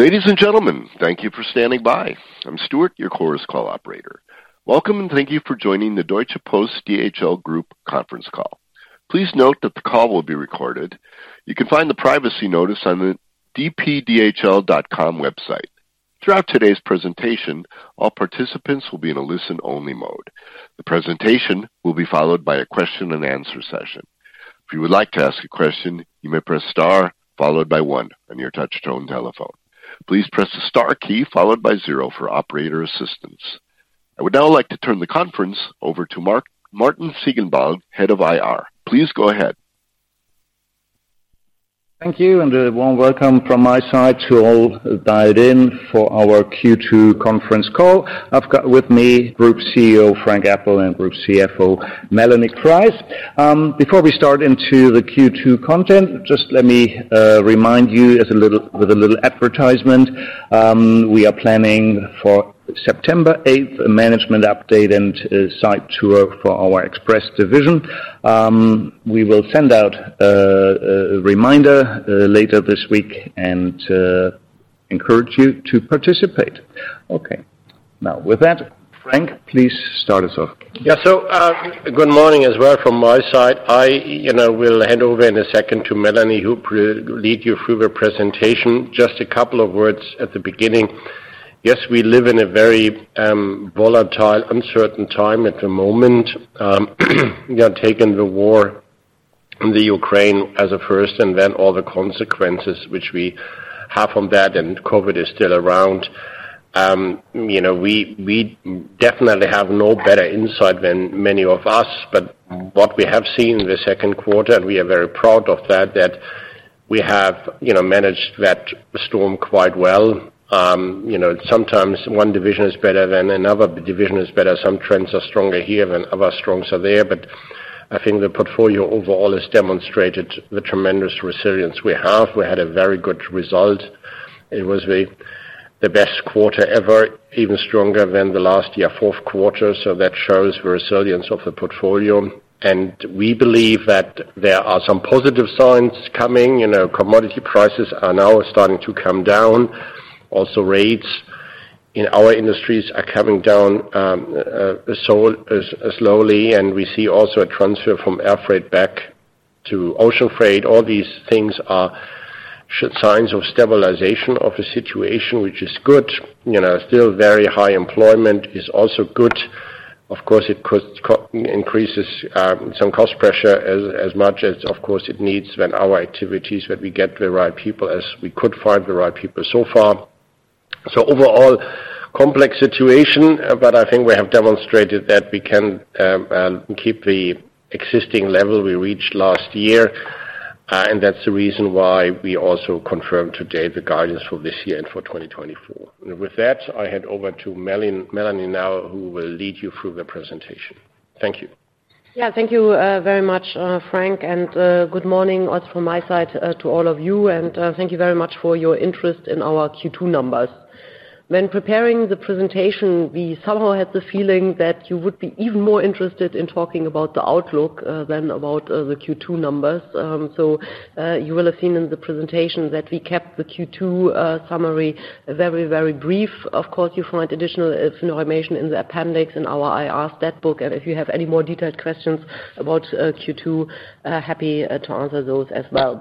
Ladies and gentlemen, thank you for standing by. I'm Stuart, your Chorus Call operator. Welcome, and thank you for joining the Deutsche Post DHL Group conference call. Please note that the call will be recorded. You can find the privacy notice on the dpdhl.com website. Throughout today's presentation, all participants will be in a listen-only mode. The presentation will be followed by a question-and-answer session. If you would like to ask a question, you may press star followed by one on your touch-tone telephone. Please press the star key followed by zero for operator assistance. I would now like to turn the conference over to Martin Ziegenbalg, Head of IR. Please go ahead. Thank you, and a warm welcome from my side to all who dialed in for our Q2 conference call. I've got with me Group CEO Frank Appel and Group CFO Melanie Kreis. Before we start into the Q2 content, just let me remind you with a little advertisement, we are planning for September 8th a management update and a site tour for our express division. We will send out a reminder later this week and encourage you to participate. Okay. Now, with that, Frank, please start us off. Good morning as well from my side. I will hand over in a second to Melanie, who will lead you through the presentation. Just a couple of words at the beginning. Yes, we live in a very volatile, uncertain time at the moment. Taking the war in the Ukraine as a first and then all the consequences which we have from that, and COVID is still around. We definitely have no better insight than many of us. But what we have seen in the second quarter, and we are very proud of that we have managed that storm quite well. Sometimes one division is better than another division is better. Some trends are stronger here than others strong, so there. But I think the portfolio overall has demonstrated the tremendous resilience we have. We had a very good result. It was the best quarter ever, even stronger than the last year, fourth quarter, so that shows the resilience of the portfolio. We believe that there are some positive signs coming. You know, commodity prices are now starting to come down. Rates in our industries are coming down slowly, and we see also a transfer from air freight back to ocean freight. All these things are signs of stabilization of the situation, which is good. You know, still very high employment is also good. Of course, it increases some cost pressure as much as, of course, it needs when our activities, when we get the right people as we could find the right people so far. Overall, complex situation, but I think we have demonstrated that we can keep the existing level we reached last year. That's the reason why we also confirmed today the guidance for this year and for 2024. With that, I hand over to Melanie now, who will lead you through the presentation. Thank you. Yeah. Thank you very much, Frank. Good morning also from my side to all of you. Thank you very much for your interest in our Q2 numbers. When preparing the presentation, we somehow had the feeling that you would be even more interested in talking about the outlook than about the Q2 numbers. You will have seen in the presentation that we kept the Q2 summary very, very brief. Of course, you find additional information in the appendix in our IR stat book. If you have any more detailed questions about Q2, happy to answer those as well.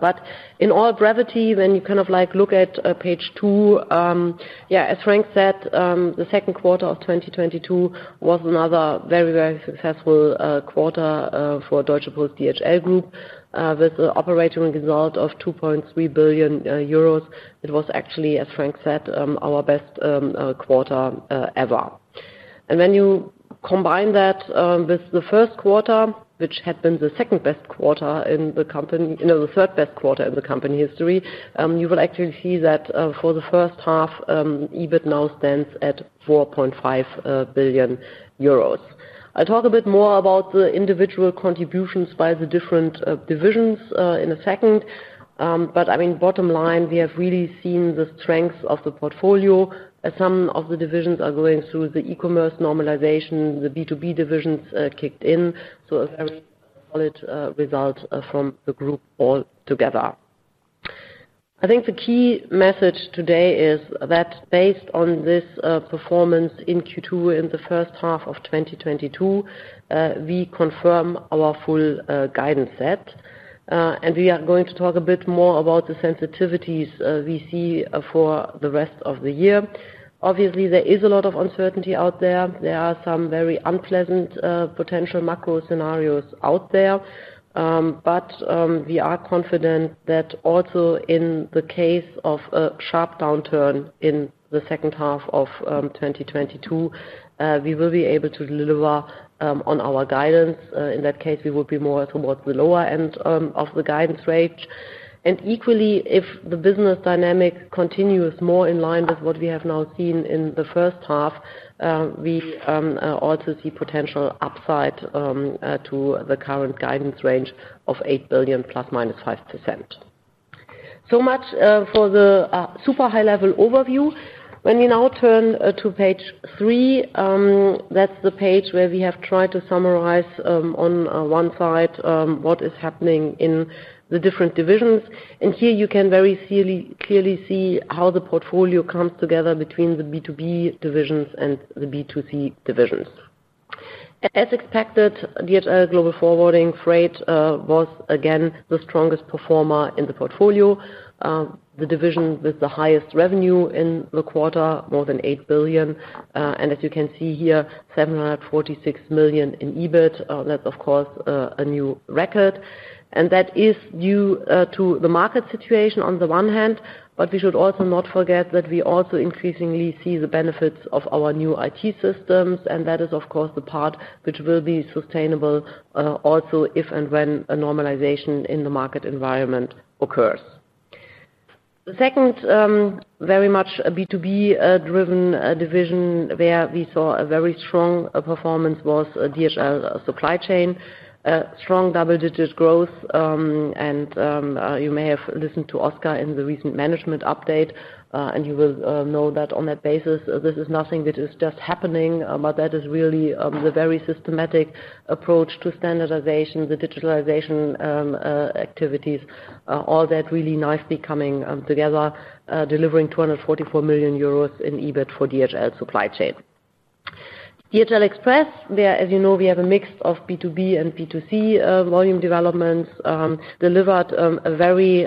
In all brevity, when you kind of, like, look at page two, as Frank said, the second quarter of 2022 was another very, very successful quarter for Deutsche Post DHL Group with an operating result of 2.3 billion euros. It was actually, as Frank said, our best quarter ever. When you combine that with the first quarter, which had been the second best quarter in the company, you know, the third best quarter in the company history, you will actually see that for the first half, EBIT now stands at 4.5 billion euros. I'll talk a bit more about the individual contributions by the different divisions in a second. I mean, bottom line, we have really seen the strength of the portfolio. Some of the divisions are going through the e-commerce normalization, the B2B divisions kicked in, so a very solid result from the group all together. I think the key message today is that based on this performance in Q2 in the first half of 2022 we confirm our full guidance set. We are going to talk a bit more about the sensitivities we see for the rest of the year. Obviously, there is a lot of uncertainty out there. There are some very unpleasant potential macro scenarios out there. We are confident that also in the case of a sharp downturn in the second half of 2022 we will be able to deliver on our guidance. In that case, we will be more towards the lower end of the guidance range. Equally, if the business dynamic continues more in line with what we have now seen in the first half, we also see potential upside to the current guidance range of 8 billion ±5%. Much for the super high level overview. When we now turn to page three, that's the page where we have tried to summarize on one side what is happening in the different divisions. Here you can very clearly see how the portfolio comes together between the B2B divisions and the B2C divisions. As expected, DHL Global Forwarding, Freight was again the strongest performer in the portfolio, the division with the highest revenue in the quarter, more than 8 billion. And as you can see here, 746 million in EBIT. That's of course a new record. That is due to the market situation on the one hand, but we should also not forget that we also increasingly see the benefits of our new IT systems, and that is of course the part which will be sustainable also if and when a normalization in the market environment occurs. The second very much a B2B driven division where we saw a very strong performance was DHL Supply Chain. Strong double-digit growth. You may have listened to Oscar in the recent management update. You will know that on that basis, this is nothing that is just happening, but that is really the very systematic approach to standardization, the digitalization activities, all that really nicely coming together, delivering 244 million euros in EBIT for DHL Supply Chain. DHL Express, where, as you know, we have a mix of B2B and B2C volume developments, delivered a very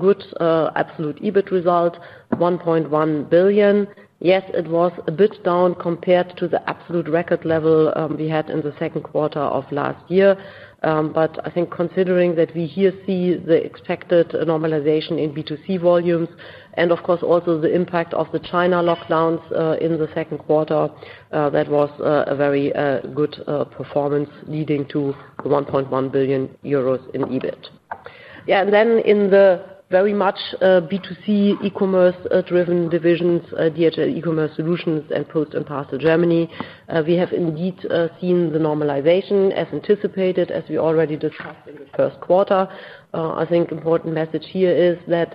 good absolute EBIT result, 1.1 billion. Yes, it was a bit down compared to the absolute record level we had in the second quarter of last year. I think considering that we here see the expected normalization in B2C volumes, and of course, also the impact of the China lockdowns in the second quarter, that was a very good performance leading to 1.1 billion euros in EBIT. Yeah. Then in the very much B2C e-commerce driven divisions, DHL eCommerce Solutions and Post & Parcel Germany. We have indeed seen the normalization as anticipated, as we already discussed in the first quarter. I think important message here is that,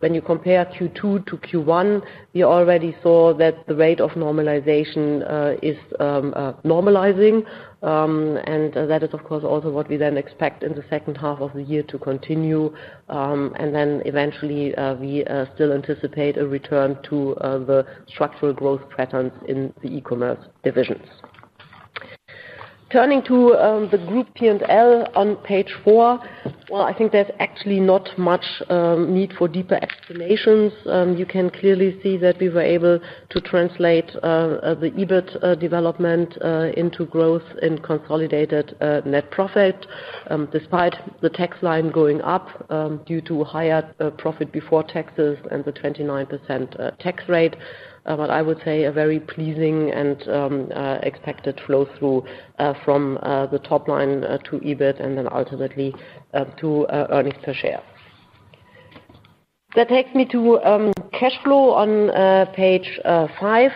when you compare Q2 to Q1, we already saw that the rate of normalization is normalizing. That is of course also what we then expect in the second half of the year to continue. Eventually, we still anticipate a return to the structural growth patterns in the e-commerce divisions. Turning to the group P&L on page four, well, I think there's actually not much need for deeper explanations. You can clearly see that we were able to translate the EBIT development into growth in consolidated net profit despite the tax line going up due to higher profit before taxes and the 29% tax rate. I would say a very pleasing and expected flow-through from the top line to EBIT, and then ultimately to earnings per share. That takes me to cash flow on page five.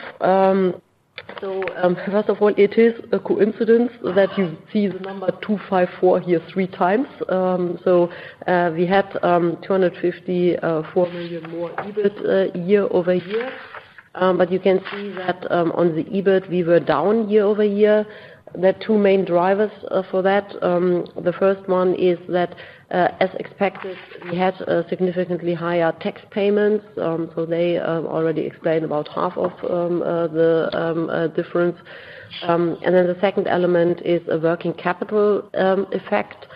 First of all, it is a coincidence that you see the number 254 here three times. We had 254 million more EBIT year-over-year. You can see that on the EBIT, we were down year-over-year. There are two main drivers for that. The first one is that, as expected, we had significantly higher tax payments. They already explained about half of the difference. The second element is a working capital effect,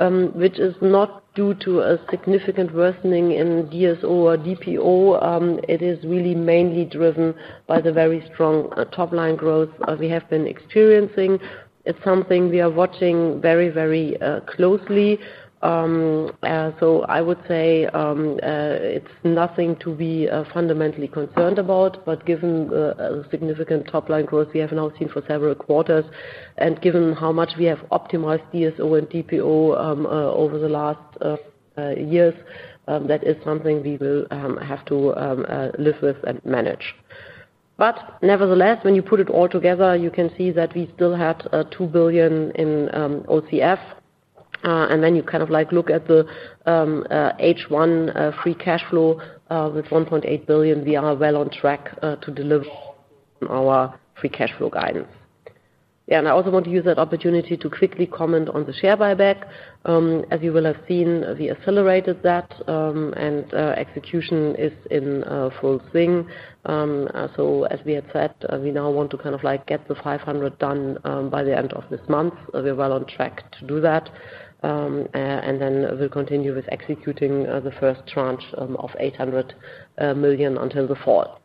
which is not due to a significant worsening in DSO or DPO. It is really mainly driven by the very strong top-line growth we have been experiencing. It's something we are watching very, very closely. I would say it's nothing to be fundamentally concerned about. Given the significant top-line growth we have now seen for several quarters, and given how much we have optimized DSO and DPO over the last years, that is something we will have to live with and manage. Nevertheless, when you put it all together, you can see that we still had 2 billion in OCF. Then you kind of like look at the H1 free cash flow with 1.8 billion, we are well on track to deliver our free cash flow guidance. Yeah, I also want to use that opportunity to quickly comment on the share buyback. As you will have seen, we accelerated that, and execution is in full swing. As we had said, we now want to kind of like get the 500 million done by the end of this month. We're well on track to do that. Then we'll continue with executing the first tranche of 800 million until the fall.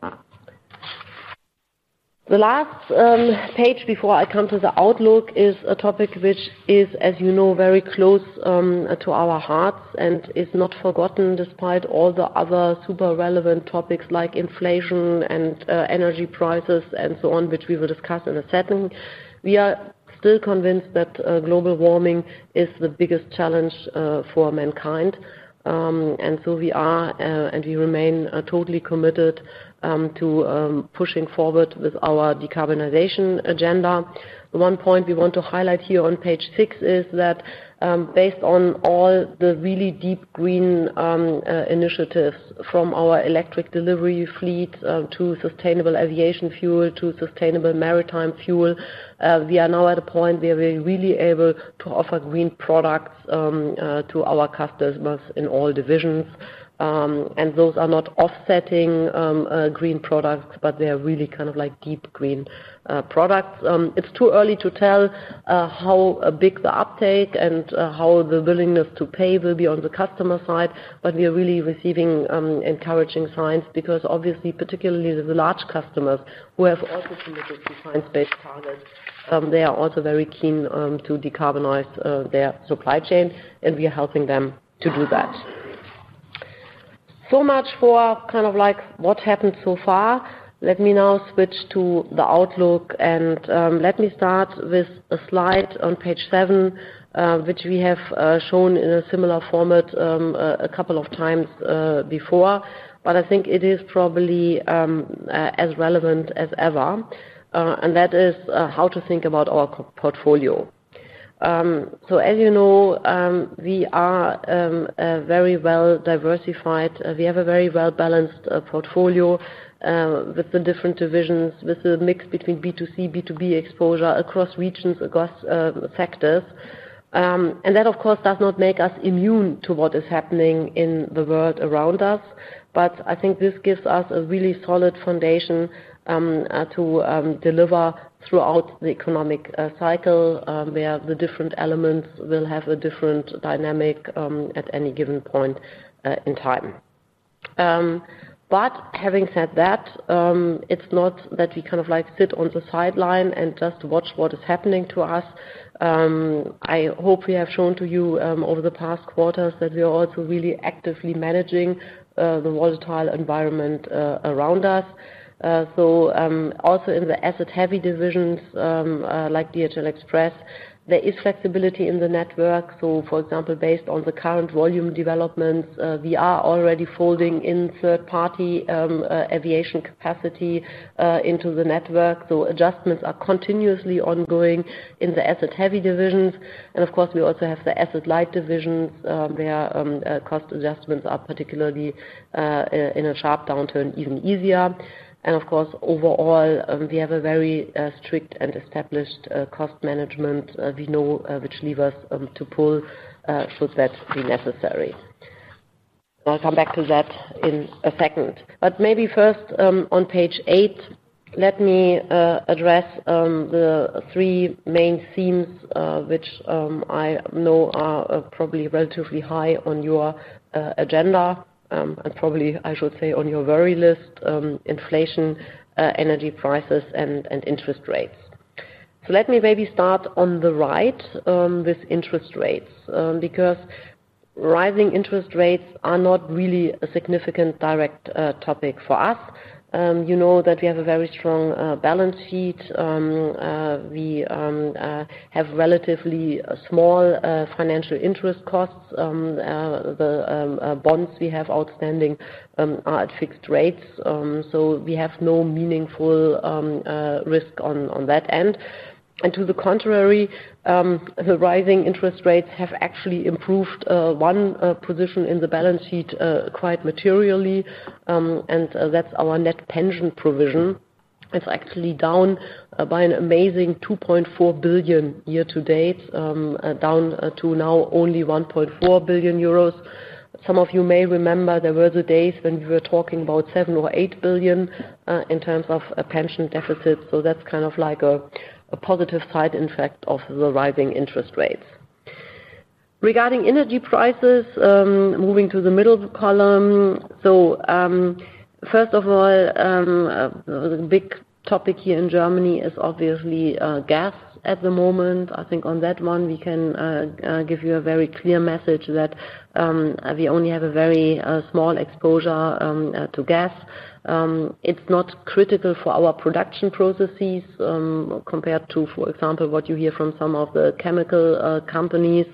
The last page before I come to the outlook is a topic which is, as you know, very close to our hearts and is not forgotten despite all the other super relevant topics like inflation and energy prices and so on, which we will discuss in a second. We are still convinced that global warming is the biggest challenge for mankind. We remain totally committed to pushing forward with our decarbonization agenda. One point we want to highlight here on page six is that, based on all the really deep green initiatives from our electric delivery fleet to sustainable aviation fuel to sustainable maritime fuel, we are now at a point where we're really able to offer green products to our customers in all divisions. Those are not offsetting green products, but they are really kind of like deep green products. It's too early to tell how big the uptake and how the willingness to pay will be on the customer side. We are really receiving encouraging signs because obviously particularly the large customers who have also committed to science-based targets, they are also very keen to decarbonize their supply chains, and we are helping them to do that. Much for kind of like what happened so far. Let me now switch to the outlook and let me start with a slide on page seven which we have shown in a similar format a couple of times before, but I think it is probably as relevant as ever. That is how to think about our portfolio. As you know, we are very well diversified. We have a very well-balanced portfolio with the different divisions, with the mix between B2C, B2B exposure across regions, across sectors. That, of course, does not make us immune to what is happening in the world around us. I think this gives us a really solid foundation to deliver throughout the economic cycle where the different elements will have a different dynamic at any given point in time. Having said that, it's not that we kind of like sit on the sideline and just watch what is happening to us. I hope we have shown to you over the past quarters that we are also really actively managing the volatile environment around us. Also in the asset-heavy divisions like DHL Express, there is flexibility in the network. For example, based on the current volume developments, we are already folding in third-party aviation capacity into the network. Adjustments are continuously ongoing in the asset-heavy divisions. Of course, we also have the asset-light divisions, where cost adjustments are particularly in a sharp downturn, even easier. Of course, overall, we have a very strict and established cost management. We know which levers to pull should that be necessary. I'll come back to that in a second. Maybe first, on page eight, let me address the three main themes, which I know are probably relatively high on your agenda, and probably, I should say, on your worry list, inflation, energy prices and interest rates. Let me maybe start on the right with interest rates, because rising interest rates are not really a significant direct topic for us. You know that we have a very strong balance sheet. We have relatively small financial interest costs. The bonds we have outstanding are at fixed rates, so we have no meaningful risk on that end. To the contrary, the rising interest rates have actually improved one position in the balance sheet quite materially, and that's our net pension provision. It's actually down by an amazing 2.4 billion year to date, down to now only 1.4 billion euros. Some of you may remember there were the days when we were talking about 7 billion or 8 billion in terms of a pension deficit. That's kind of like a positive side effect of the rising interest rates. Regarding energy prices, moving to the middle column. First of all, the big topic here in Germany is obviously gas at the moment. I think on that one, we can give you a very clear message that we only have a very small exposure to gas. It's not critical for our production processes, compared to, for example, what you hear from some of the chemical companies.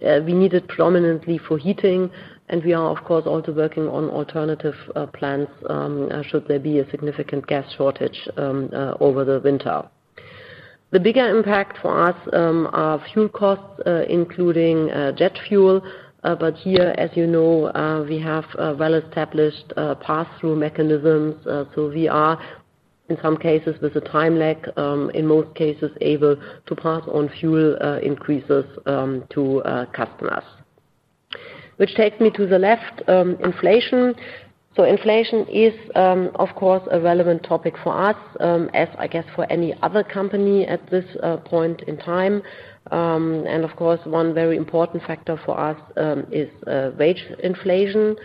We need it prominently for heating, and we are of course, also working on alternative plans, should there be a significant gas shortage over the winter. The bigger impact for us are fuel costs, including jet fuel. Here, as you know, we have well-established pass-through mechanisms. We are, in some cases, with a time lag, in most cases, able to pass on fuel increases to customers. Which takes me to the left, inflation. Inflation is, of course, a relevant topic for us, as I guess for any other company at this point in time. Of course, one very important factor for us is wage inflation.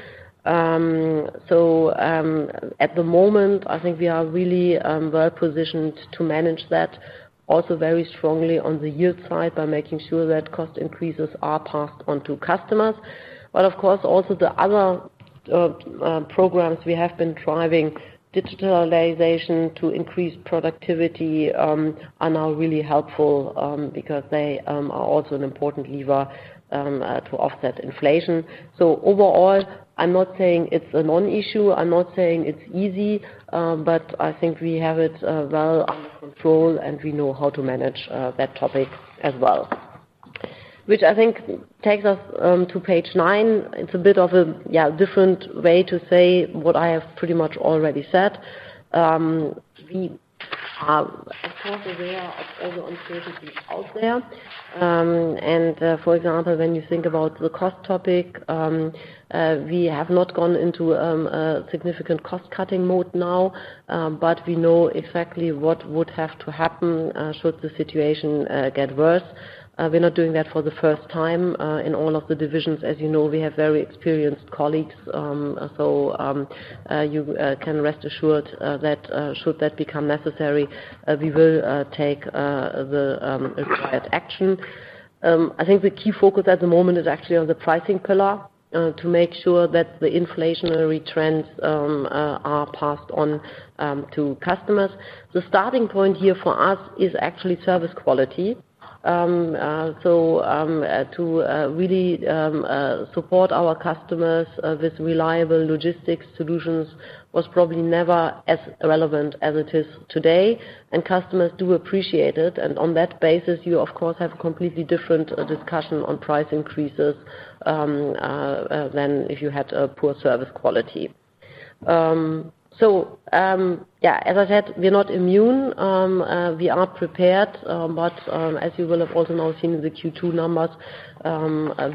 At the moment, I think we are really well-positioned to manage that also very strongly on the yield side by making sure that cost increases are passed on to customers. Of course, also the other programs we have been driving, digitalization to increase productivity, are now really helpful, because they are also an important lever to offset inflation. Overall, I'm not saying it's a non-issue, I'm not saying it's easy, but I think we have it well under control, and we know how to manage that topic as well. Which I think takes us to page nine. It's a bit of a, yeah, different way to say what I have pretty much already said. We are of course aware of all the uncertainties out there. For example, when you think about the cost topic, we have not gone into a significant cost-cutting mode now, but we know exactly what would have to happen should the situation get worse. We're not doing that for the first time in all of the divisions. As you know, we have very experienced colleagues. You can rest assured that should that become necessary, we will take the required action. I think the key focus at the moment is actually on the pricing pillar to make sure that the inflationary trends are passed on to customers. The starting point here for us is actually service quality. To really support our customers with reliable logistics solutions was probably never as relevant as it is today, and customers do appreciate it. On that basis, you of course have a completely different discussion on price increases than if you had a poor service quality. As I said, we're not immune. We are prepared, but as you will have also now seen in the Q2 numbers,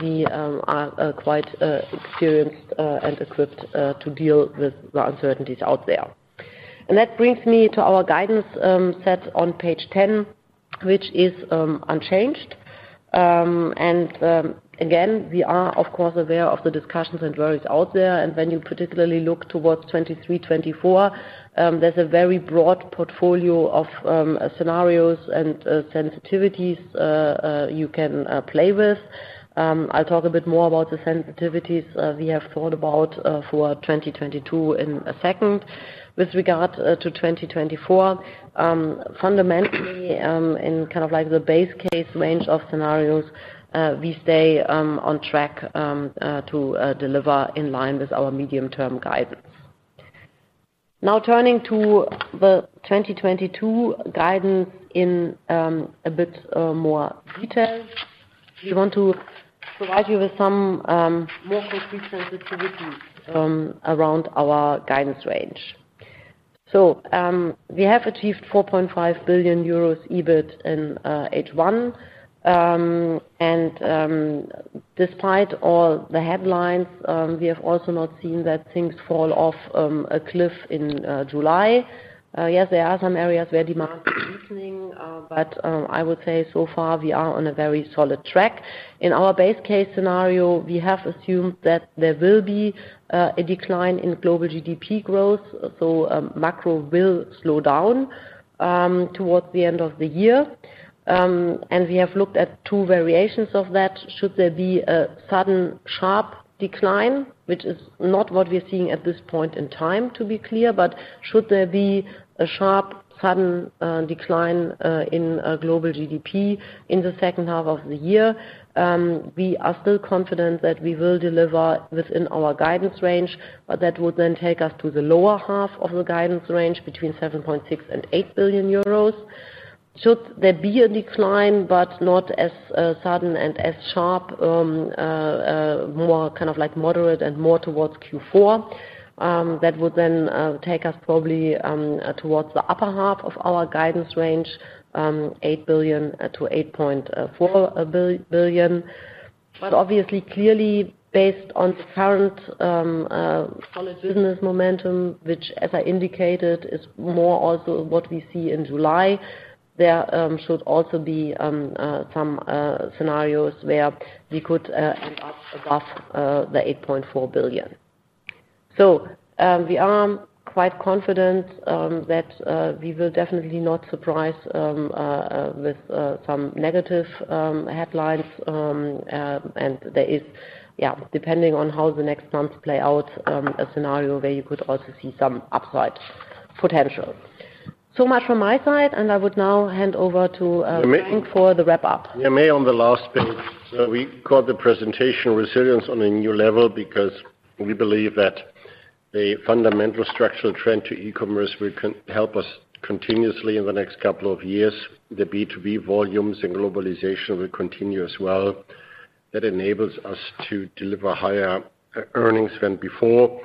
we are quite experienced and equipped to deal with the uncertainties out there. That brings me to our guidance set on page 10, which is unchanged. Again, we are of course aware of the discussions and worries out there. When you particularly look towards 2023, 2024, there's a very broad portfolio of scenarios and sensitivities you can play with. I'll talk a bit more about the sensitivities we have thought about for 2022 in a second. With regard to 2024, fundamentally, in kind of like the base case range of scenarios, we stay on track to deliver in line with our medium-term guidance. Now turning to the 2022 guidance in a bit more detail. We want to provide you with some more concrete sensitivities around our guidance range. We have achieved 4.5 billion euros EBIT in H1. Despite all the headlines, we have also not seen that things fall off a cliff in July. Yes, there are some areas where demand is easing, but I would say so far we are on a very solid track. In our base case scenario, we have assumed that there will be a decline in global GDP growth, so macro will slow down towards the end of the year. We have looked at two variations of that. Should there be a sudden sharp decline, which is not what we're seeing at this point in time, to be clear, but should there be a sharp sudden decline in global GDP in the second half of the year, we are still confident that we will deliver within our guidance range, but that would then take us to the lower half of the guidance range between 7.6 billion and 8 billion euros. Should there be a decline but not as sudden and as sharp, more kind of like moderate and more towards Q4, that would then take us probably towards the upper half of our guidance range, 8 billion-8.4 billion. Obviously, clearly, based on current solid business momentum, which as I indicated, is more also what we see in July, there should also be some scenarios where we could end up above the 8.4 billion. We are quite confident that we will definitely not surprise with some negative headlines. There is, yeah, depending on how the next months play out, a scenario where you could also see some upside potential. Much from my side, and I would now hand over to Frank for the wrap-up. Melanie, on the last page, we called the presentation Resilience on a New Level because we believe that the fundamental structural trend to e-commerce will help us continuously in the next couple of years. The B2B volumes and globalization will continue as well. That enables us to deliver higher earnings than before.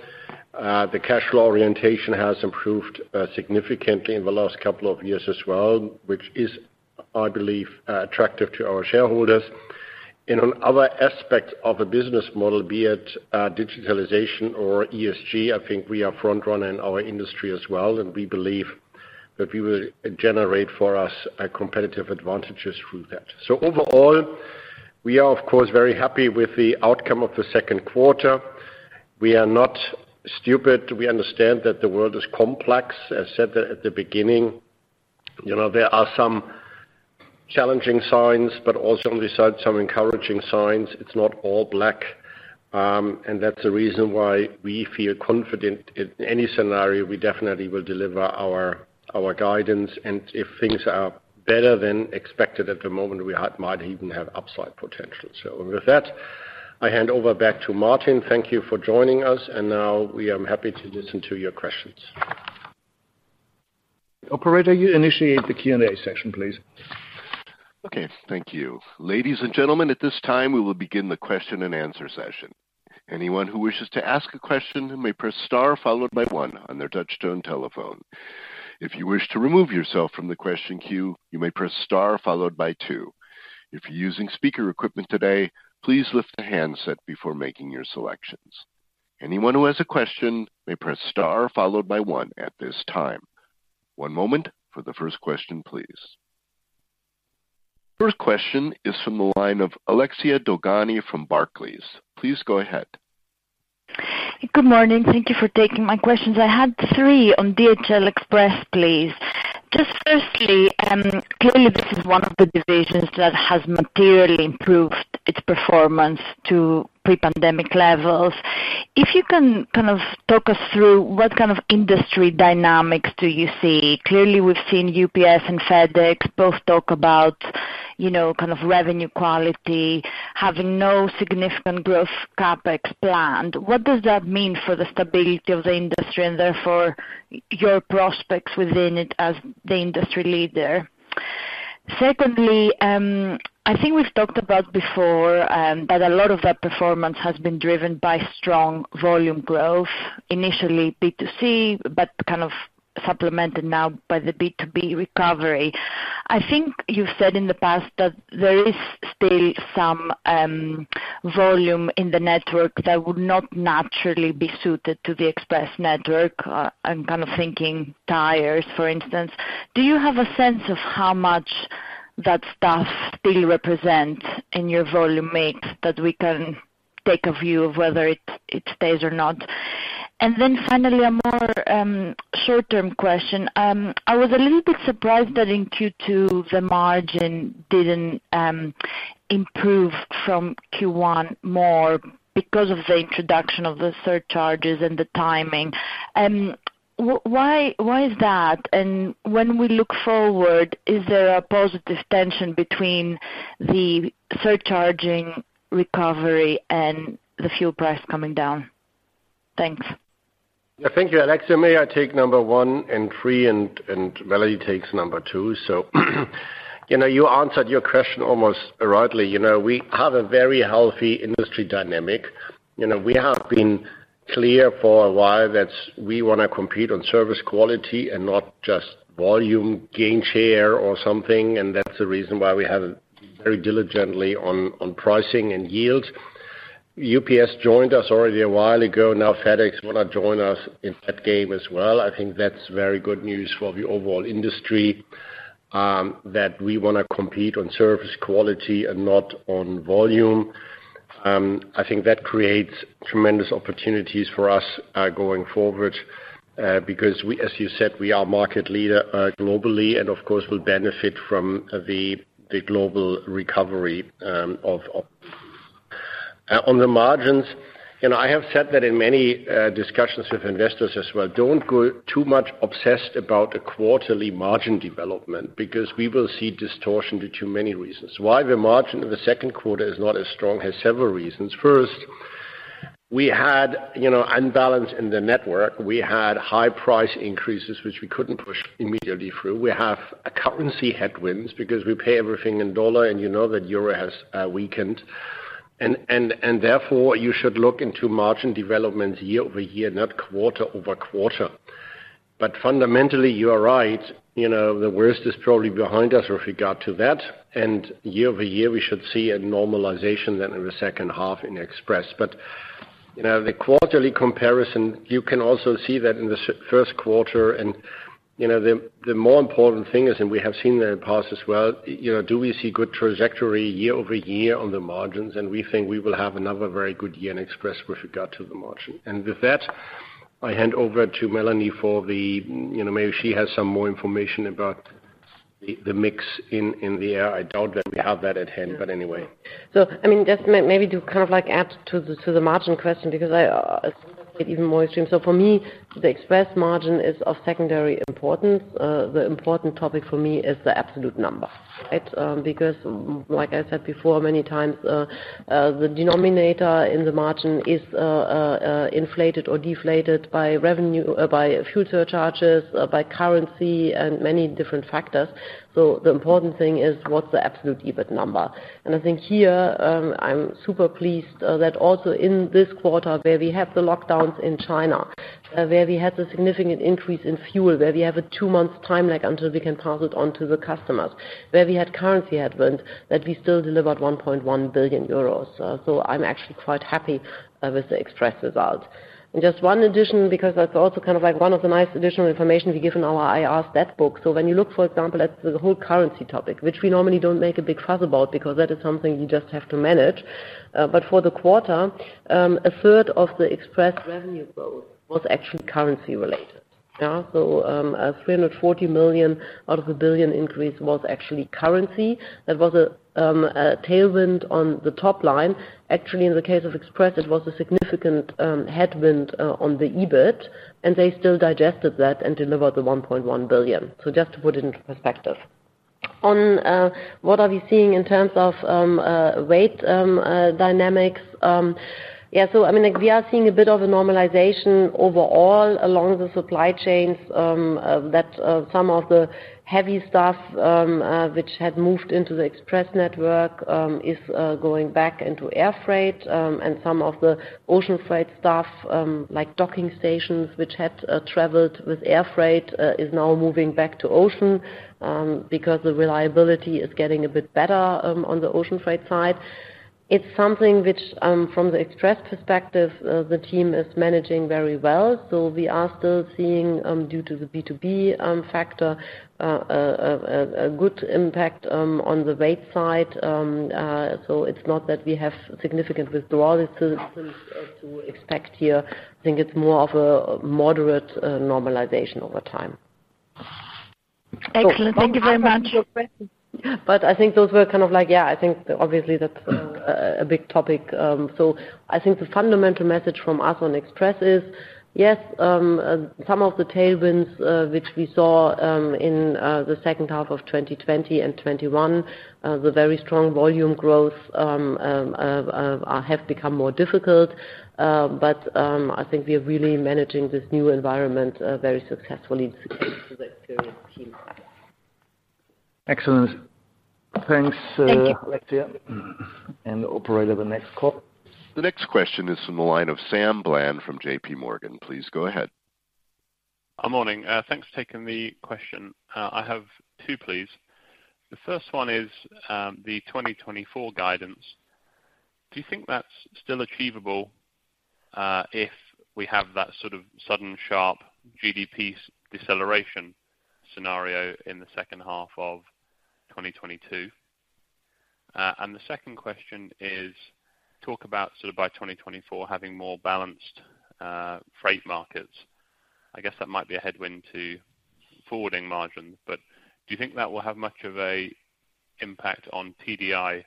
The cash flow orientation has improved significantly in the last couple of years as well, which is, I believe, attractive to our shareholders. In other aspects of a business model, be it digitalization or ESG, I think we are front runner in our industry as well, and we believe that we will generate for us a competitive advantages through that. Overall, we are of course very happy with the outcome of the second quarter. We are not stupid. We understand that the world is complex. I said that at the beginning. You know, there are some challenging signs, but also on the side, some encouraging signs. It's not all black. That's the reason why we feel confident. In any scenario, we definitely will deliver our guidance, and if things are better than expected at the moment, might even have upside potential. With that, I hand over back to Martin. Thank you for joining us, and now we are happy to listen to your questions. Operator, you initiate the Q&A session, please. Okay, thank you. Ladies and gentlemen, at this time we will begin the question-and-answer session. Anyone who wishes to ask a question may press star followed by one on their touchtone telephone. If you wish to remove yourself from the question queue, you may press star followed by two. If you're using speaker equipment today, please lift the handset before making your selections. Anyone who has a question may press star followed by one at this time. One moment for the first question, please. First question is from the line of Alexia Dogani from Barclays. Please go ahead. Good morning. Thank you for taking my questions. I had three on DHL Express, please. Just firstly, clearly this is one of the divisions that has materially improved its performance to pre-pandemic levels. If you can kind of talk us through what kind of industry dynamics do you see? Clearly, we've seen UPS and FedEx both talk about, you know, kind of revenue quality, having no significant growth CapEx planned. What does that mean for the stability of the industry and therefore your prospects within it as the industry leader? Secondly, I think we've talked about before, that a lot of that performance has been driven by strong volume growth, initially B2C, but kind of supplemented now by the B2B recovery. I think you've said in the past that there is still some volume in the network that would not naturally be suited to the express network. I'm kind of thinking tires, for instance. Do you have a sense of how much that stuff still represents in your volume mix that we can take a view of whether it stays or not? Finally, a more short-term question. I was a little bit surprised that in Q2, the margin didn't improve from Q1 more because of the introduction of the surcharges and the timing. Why is that? When we look forward, is there a positive tension between the surcharging recovery and the fuel price coming down? Thanks. Thank you. Alexia, may I take number one and three, and Melanie takes number two. You know, you answered your question almost rightly. You know, we have a very healthy industry dynamic. You know, we have been clear for a while that we wanna compete on service quality and not just volume, gain share or something. That's the reason why we have very diligently on pricing and yield. UPS joined us already a while ago. Now FedEx wanna join us in that game as well. I think that's very good news for the overall industry, that we wanna compete on service quality and not on volume. I think that creates tremendous opportunities for us, going forward, because we, as you said, we are market leader, globally and of course will benefit from the global recovery. On the margins, you know, I have said that in many discussions with investors as well, don't go too much obsessed about a quarterly margin development because we will see distortion due to many reasons. Why the margin in the second quarter is not as strong has several reasons. First, we had, you know, imbalance in the network. We had high price increases which we couldn't push immediately through. We have a currency headwinds because we pay everything in dollar and you know that euro has weakened and therefore you should look into margin developments year-over-year, not quarter-over-quarter. But fundamentally you are right. You know, the worst is probably behind us with regard to that. Year-over-year we should see a normalization then in the second half in Express. You know, the quarterly comparison, you can also see that in the first quarter and, you know, the more important thing is and we have seen that in the past as well, you know, do we see good trajectory year-over-year on the margins? We think we will have another very good year in Express with regard to the margin. With that, I hand over to Melanie. You know, maybe she has some more information about the mix in the air. I doubt that we have that at hand, but anyway. I mean, just maybe to kind of like add to the margin question because it's even more extreme. For me the express margin is of secondary importance. The important topic for me is the absolute number, right? Because like I said before, many times, the denominator in the margin is inflated or deflated by revenue, by future charges, by currency and many different factors. The important thing is what's the absolute EBIT number? I think here, I'm super pleased that also in this quarter where we have the lockdowns in China, where we had the significant increase in fuel, where we have a two-month time lag until we can pass it on to the customers, where we had currency headwinds, that we still delivered 1.1 billion euros. I'm actually quite happy with the express results. Just one addition because that's also kind of like one of the nice additional information we give in our IR stat book. When you look for example at the whole currency topic, which we normally don't make a big fuss about because that is something you just have to manage. But for the quarter, a third of the express revenue growth was actually currency related. 340 million out of the 1 billion increase was actually currency. That was a tailwind on the top line. Actually, in the case of Express, it was a significant headwind on the EBIT, and they still digested that and delivered the 1.1 billion. Just to put it into perspective. On what are we seeing in terms of weight dynamics. Yeah, so I mean, we are seeing a bit of a normalization overall along the supply chains, that some of the heavy stuff, which had moved into the Express network, is going back into air freight. Some of the ocean freight stuff, like docking stations, which had traveled with air freight, is now moving back to ocean, because the reliability is getting a bit better, on the ocean freight side. It's something which, from the Express perspective, the team is managing very well. We are still seeing, due to the B2B factor, a good impact, on the weight side.It's not that we have significant withdrawal to expect here. I think it's more of a moderate normalization over time. Excellent. Thank you very much. I think those were kind of like, yeah, I think obviously that's a big topic. I think the fundamental message from us on Express is, yes, some of the tailwinds which we saw in the second half of 2020 and 2021, the very strong volume growth have become more difficult. I think we are really managing this new environment very successfully experienced team. Excellent. Thanks. Thank you. Alexia. Operator, the next call. The next question is from the line of Samuel Bland from J.P. Morgan. Please go ahead. Good morning. Thanks for taking the question. I have two, please. The first one is, the 2024 guidance. Do you think that's still achievable, if we have that sort of sudden sharp GDP deceleration scenario in the second half of 2022? The second question is, talk about sort of by 2024 having more balanced freight markets. I guess that might be a headwind to forwarding margins. Do you think that will have much of an impact on TDI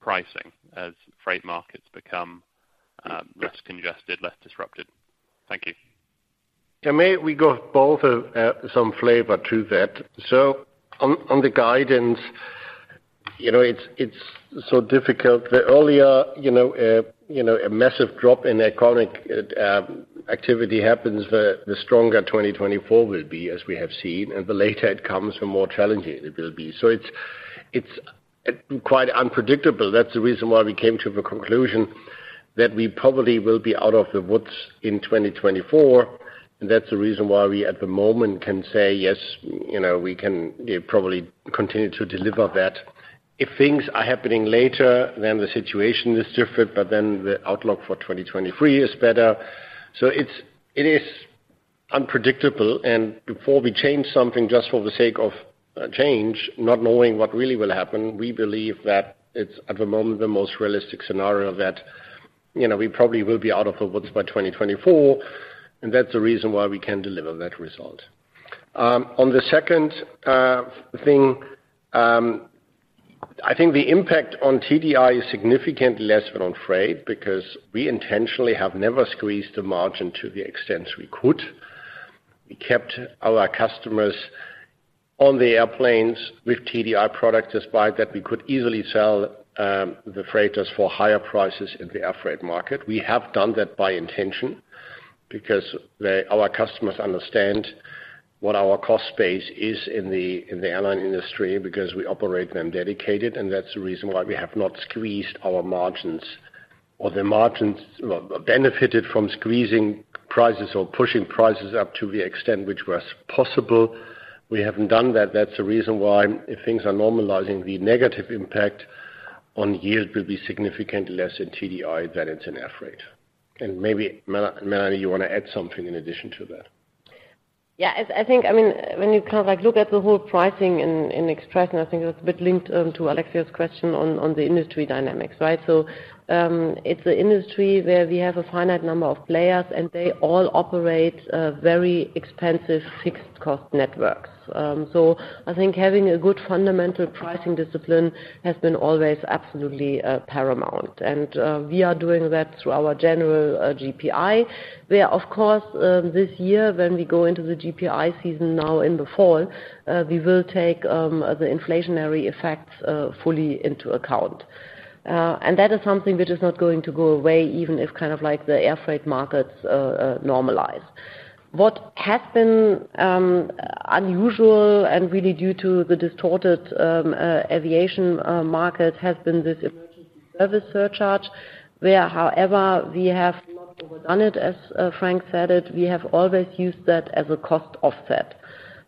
pricing as freight markets become less congested, less disrupted? Thank you. May we give both some flavor to that. On the guidance, you know, it's so difficult. The earlier, you know, you know, a massive drop in economic activity happens, the stronger 2024 will be, as we have seen, and the later it comes, the more challenging it will be. It's quite unpredictable. That's the reason why we came to the conclusion that we probably will be out of the woods in 2024. That's the reason why we, at the moment, can say yes, you know, we can probably continue to deliver that. If things are happening later, then the situation is different, but then the outlook for 2023 is better. It is unpredictable. Before we change something just for the sake of change, not knowing what really will happen, we believe that it's at the moment the most realistic scenario that you know we probably will be out of the woods by 2024, and that's the reason why we can deliver that result. On the second thing, I think the impact on TDI is significantly less than on freight because we intentionally have never squeezed the margin to the extent we could. We kept our customers on the airplanes with TDI products despite that we could easily sell the freighters for higher prices in the air freight market. We have done that by intention because they, our customers understand what our cost base is in the airline industry because we operate them dedicated, and that's the reason why we have not squeezed our margins. The margins benefited from squeezing prices or pushing prices up to the extent which was possible. We haven't done that. That's the reason why if things are normalizing, the negative impact on yield will be significantly less in TDI than it's in air freight. Maybe, Melanie Kreis, you want to add something in addition to that? Yeah, I think, I mean, when you kind of like look at the whole pricing in Express, and I think that's a bit linked to Alexia's question on the industry dynamics, right? It's an industry where we have a finite number of players and they all operate very expensive fixed-cost networks. I think having a good fundamental pricing discipline has been always absolutely paramount. We are doing that through our general GPI where, of course, this year when we go into the GPI season now in the fall, we will take the inflationary effects fully into account. That is something which is not going to go away even if kind of like the air freight markets normalize. What has been unusual and really due to the distorted aviation market has been this emergency service surcharge, where, however, we have not overdone it, as Frank said it. We have always used that as a cost offset.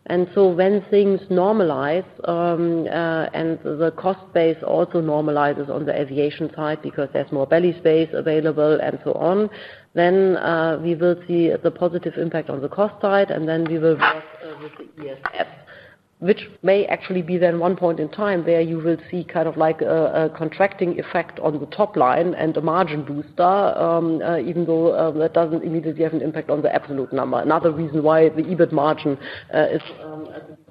When things normalize and the cost base also normalizes on the aviation side because there's more belly space available and so on, then we will see the positive impact on the cost side. And then we will work with the ESS, which may actually be then one point in time where you will see kind of like a contracting effect on the top line and the margin booster, even though that doesn't immediately have an impact on the absolute number. Another reason why the EBIT margin is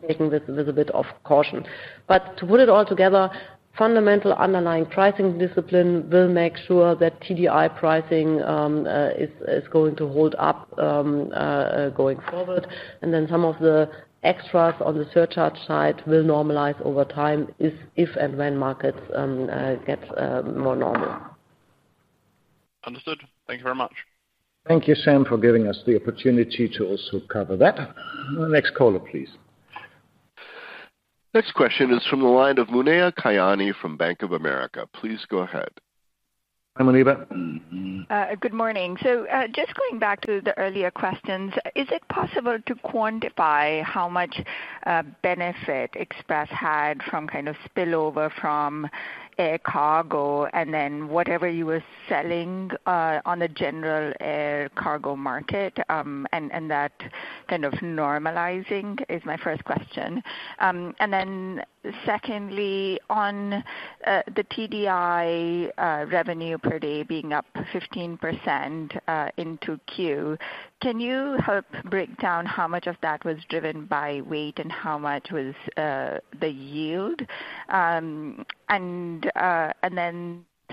taking this with a bit of caution. To put it all together, fundamental underlying pricing discipline will make sure that TDI pricing is going to hold up going forward. Then some of the extras on the surcharge side will normalize over time if and when markets get more normal. Understood. Thank you very much. Thank you, Sam, for giving us the opportunity to also cover that. Next caller, please. Next question is from the line of Muneeba Kayani from Bank of America. Please go ahead. Hi, Muneeba. Good morning. Just going back to the earlier questions, is it possible to quantify how much benefit Express had from kind of spillover from air cargo and then whatever you were selling on the general air cargo market, and that kind of normalizing is my first question. Secondly, on the TDI, revenue per day being up 15% into Q, can you help break down how much of that was driven by weight and how much was the yield?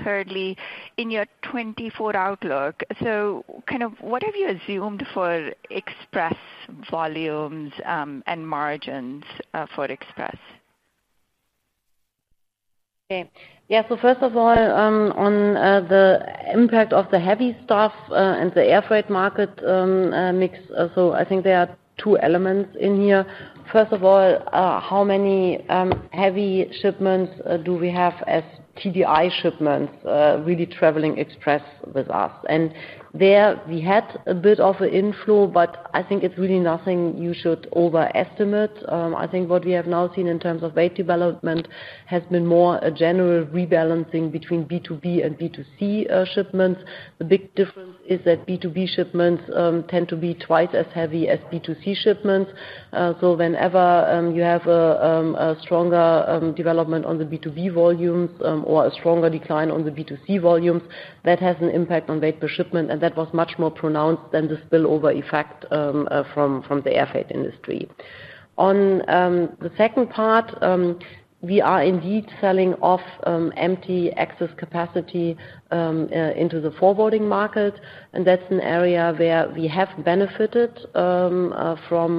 Thirdly, in your 2024 outlook, kind of what have you assumed for Express volumes and margins for Express? Okay. Yeah. First of all, on the impact of the heavy stuff and the air freight market mix, I think there are two elements in here. First of all, how many heavy shipments do we have as TDI shipments really traveling express with us? There we had a bit of a inflow, but I think it's really nothing you should overestimate. I think what we have now seen in terms of weight development has been more a general rebalancing between B2B and B2C shipments. The big difference is that B2B shipments tend to be twice as heavy as B2C shipments. Whenever you have a stronger development on the B2B volumes, or a stronger decline on the B2C volumes, that has an impact on weight per shipment, and that was much more pronounced than the spillover effect from the air freight industry. On the second part, we are indeed selling off empty excess capacity into the forwarding market, and that's an area where we have benefited from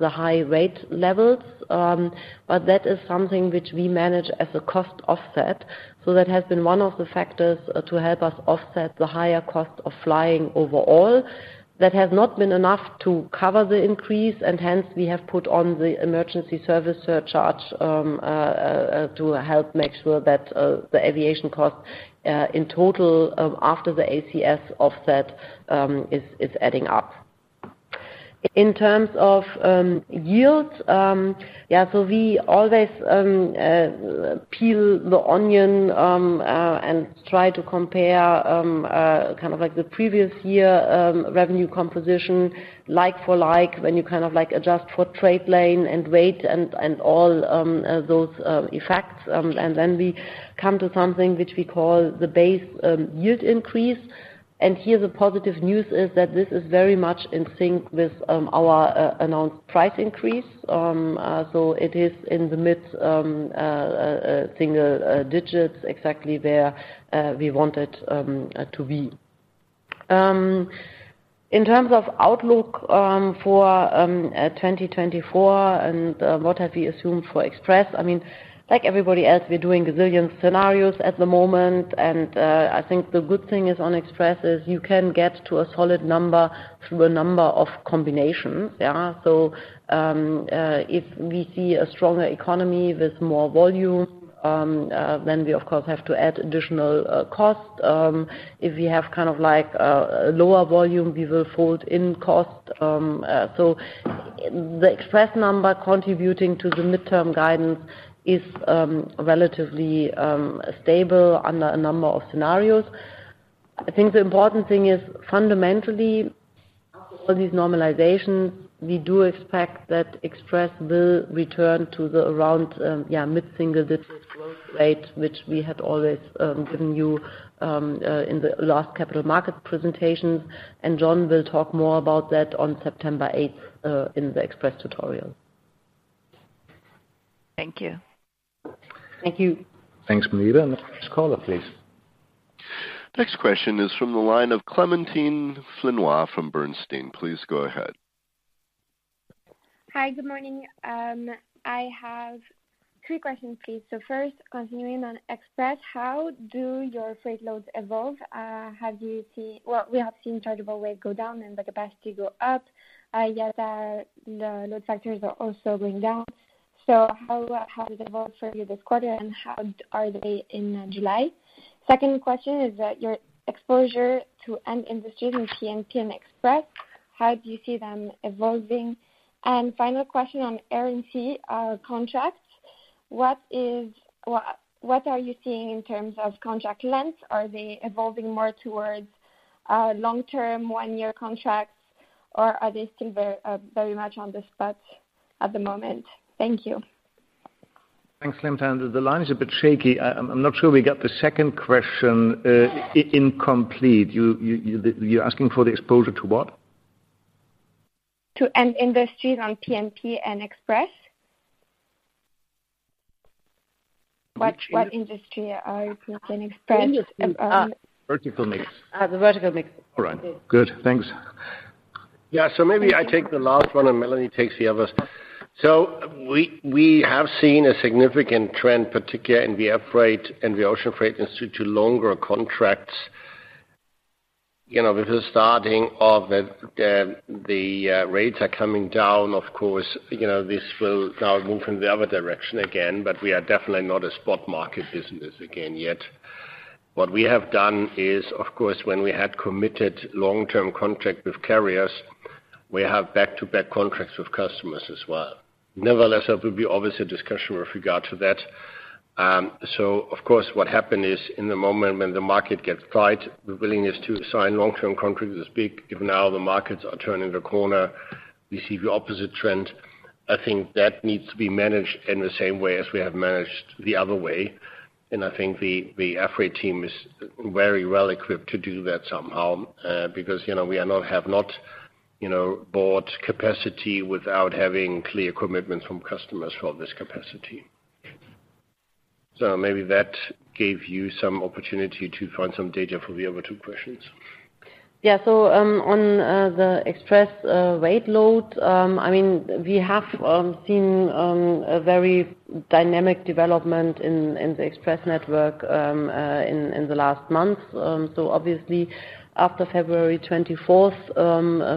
the high rate levels. That is something which we manage as a cost offset. That has been one of the factors to help us offset the higher cost of flying overall. That has not been enough to cover the increase, and hence we have put on the emergency service surcharge to help make sure that the aviation costs in total after the ACS offset is adding up. In terms of yields, yeah, we always peel the onion and try to compare kind of like the previous year revenue composition, like for like, when you kind of like adjust for trade lane and weight and all those effects. Then we come to something which we call the base yield increase. Here the positive news is that this is very much in sync with our announced price increase. It is in the mid single digits, exactly where we want it to be. In terms of outlook for 2024 and what have we assumed for Express, I mean, like everybody else, we're doing a zillion scenarios at the moment. I think the good thing is on Express is you can get to a solid number through a number of combinations. Yeah. If we see a stronger economy with more volume, then we of course have to add additional costs. If we have kind of like lower volume, we will fold in costs. The Express number contributing to the midterm guidance is relatively stable under a number of scenarios. I think the important thing is, fundamentally, after all these normalizations, we do expect that Express will return to around mid-single-digit% growth rate, which we had always given you in the last capital market presentations. John will talk more about that on September eighth in the Express tutorial. Thank you. Thank you. Thanks, Muneeba. Next caller, please. Next question is from the line of Clémentine Flinois from Bernstein. Please go ahead. Hi. Good morning. I have three questions, please. First, continuing on Express, how do your freight loads evolve? Well, we have seen chargeable weight go down and the capacity go up. I get that the load factors are also going down. How does it evolve for you this quarter, and how are they in July? Second question is that your exposure to end industries in TDI and Express, how do you see them evolving? Final question on Air and Sea, contracts. What are you seeing in terms of contract length? Are they evolving more towards long-term one-year contracts or are they still very much on the spot at the moment? Thank you. Thanks, Clementine. The line is a bit shaky. I'm not sure we got the second question, incomplete. You're asking for the exposure to what? To end industries on P&P and Express. What industry are you in Express? Industry. Vertical mix. the vertical mix. All right, good. Thanks. Yeah. Maybe I take the last one and Melanie takes the others. We have seen a significant trend, particularly in the air freight and the ocean freight industry to longer contracts. You know, with rates coming down, of course, you know, this will now move in the other direction again, but we are definitely not a spot market business again yet. What we have done is, of course, when we had committed long-term contract with carriers, we have back-to-back contracts with customers as well. Nevertheless, there will be obviously a discussion with regard to that. Of course, what happened is in the moment when the market gets tight, the willingness to sign long-term contracts is big. If now the markets are turning the corner, we see the opposite trend. I think that needs to be managed in the same way as we have managed the other way. I think the air freight team is very well equipped to do that somehow, because, you know, we have not, you know, bought capacity without having clear commitments from customers for this capacity. Maybe that gave you some opportunity to find some data for the other two questions. Yeah. On the express weight load, I mean, we have seen a very dynamic development in the express network in the last month. Obviously after February twenty-fourth,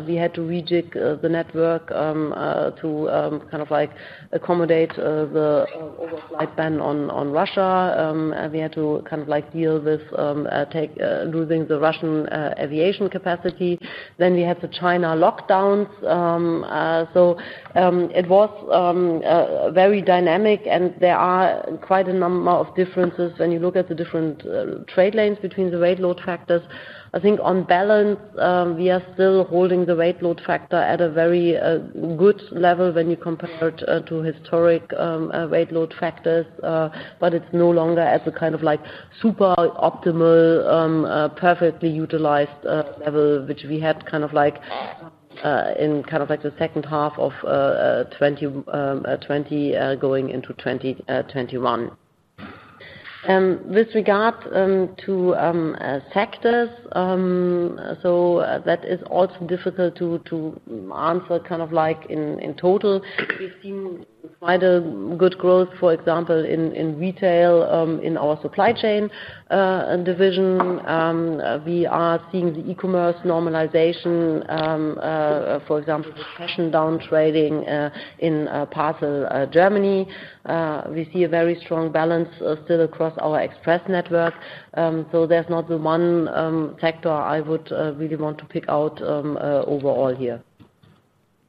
we had to rejig the network to kind of like accommodate the overflight ban on Russia. We had to kind of like deal with losing the Russian aviation capacity. We had the China lockdowns. It was very dynamic and there are quite a number of differences when you look at the different trade lanes between the weight load factors. I think on balance, we are still holding the weight load factor at a very good level when you compare it to historic weight load factors. It's no longer at the kind of like super optimal perfectly utilized level, which we had kind of like in kind of like the second half of 2020 going into 2021. With regard to factors, that is also difficult to answer. Kind of like in total, we've seen quite a good growth, for example, in retail, in our Supply Chain division. We are seeing the e-commerce normalization, for example, the fashion down trading, in Post & Parcel Germany. We see a very strong balance still across our Express network. There's not one factor I would really want to pick out, overall here.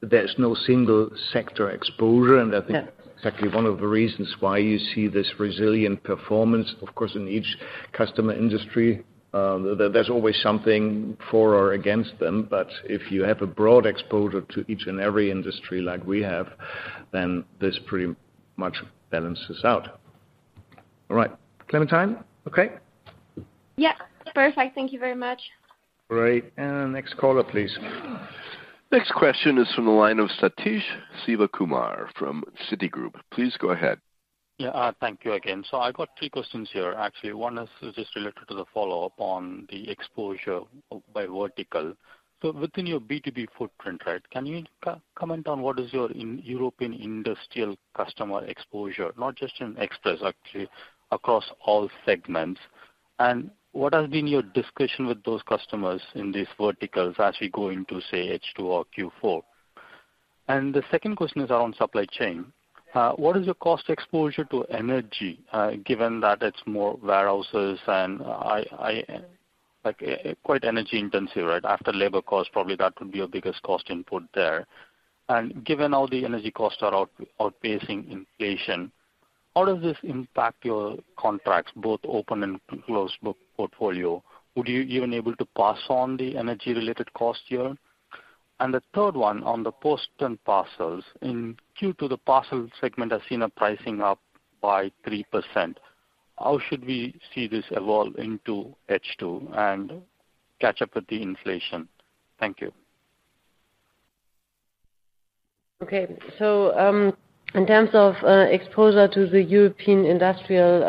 There's no single sector exposure. Yeah. I think exactly one of the reasons why you see this resilient performance, of course, in each customer industry, there's always something for or against them. If you have a broad exposure to each and every industry like we have, then this pretty much balances out. All right. Clémentine, okay? Yeah. Perfect. Thank you very much. Great. Next caller, please. Next question is from the line of Sathish Sivakumar from Citigroup. Please go ahead. Yeah. Thank you again. I've got three questions here. Actually, one is just related to the follow-up on the exposure by vertical. Within your B2B footprint, right, can you comment on what is your European industrial customer exposure? Not just in Express, actually across all segments. What has been your discussion with those customers in these verticals as we go into, say, H2 or Q4? The second question is on supply chain. What is your cost exposure to energy? Given that it's more warehouses and like, quite energy intensive, right? After labor cost, probably that would be your biggest cost input there. Given all the energy costs are outpacing inflation, how does this impact your contracts, both open and closed book portfolio? Would you even able to pass on the energy related cost here? The third one on the Post & Parcel, in Q2, the parcel segment has seen a pricing up by 3%. How should we see this evolve into H2 and catch up with the inflation? Thank you. Okay, in terms of exposure to the European industrial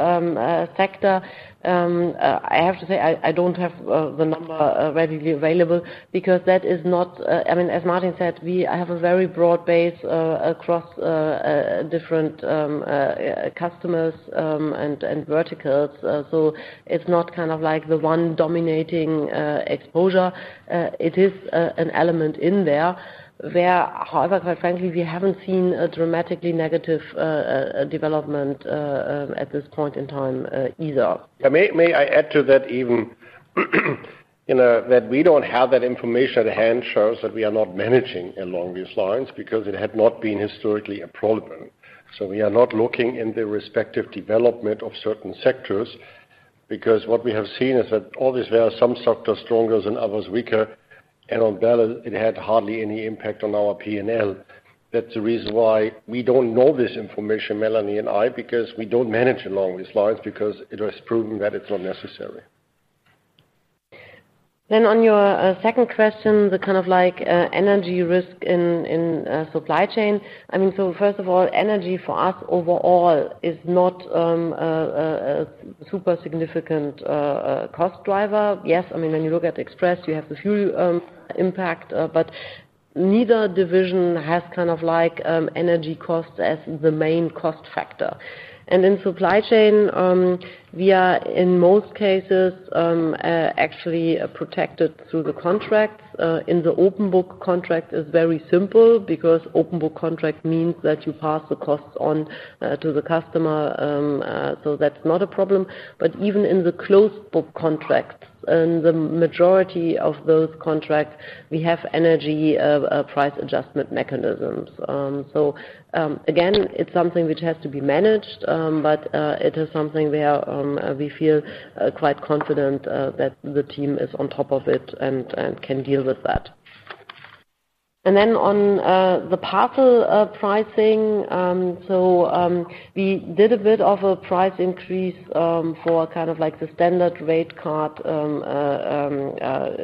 sector, I have to say I don't have the number readily available because I mean, as Martin said, we have a very broad base across different customers and verticals. It's not kind of like the one dominating exposure. It is an element in there, where however, quite frankly, we haven't seen a dramatically negative development at this point in time, either. May I add to that even, you know, that we don't have that information at hand shows that we are not managing along these lines because it had not been historically a problem. We are not looking in the respective development of certain sectors. Because what we have seen is that obviously there are some sectors stronger and others weaker, and on balance, it had hardly any impact on our P&L. That's the reason why we don't know this information, Melanie and I, because we don't manage along these lines because it has proven that it's not necessary. On your second question, the kind of like energy risk in supply chain. I mean, first of all, energy for us overall is not a super significant cost driver. Yes, I mean, when you look at Express, you have the fuel impact, but neither division has kind of like energy costs as the main cost factor. In supply chain, we are, in most cases, actually protected through the contracts. In the open book contract is very simple because open book contract means that you pass the costs on to the customer, so that's not a problem. Even in the closed book contracts, in the majority of those contracts, we have energy price adjustment mechanisms. Again, it's something which has to be managed, but it is something we feel quite confident that the team is on top of it and can deal with that. On the parcel pricing, we did a bit of a price increase for kind of like the standard rate card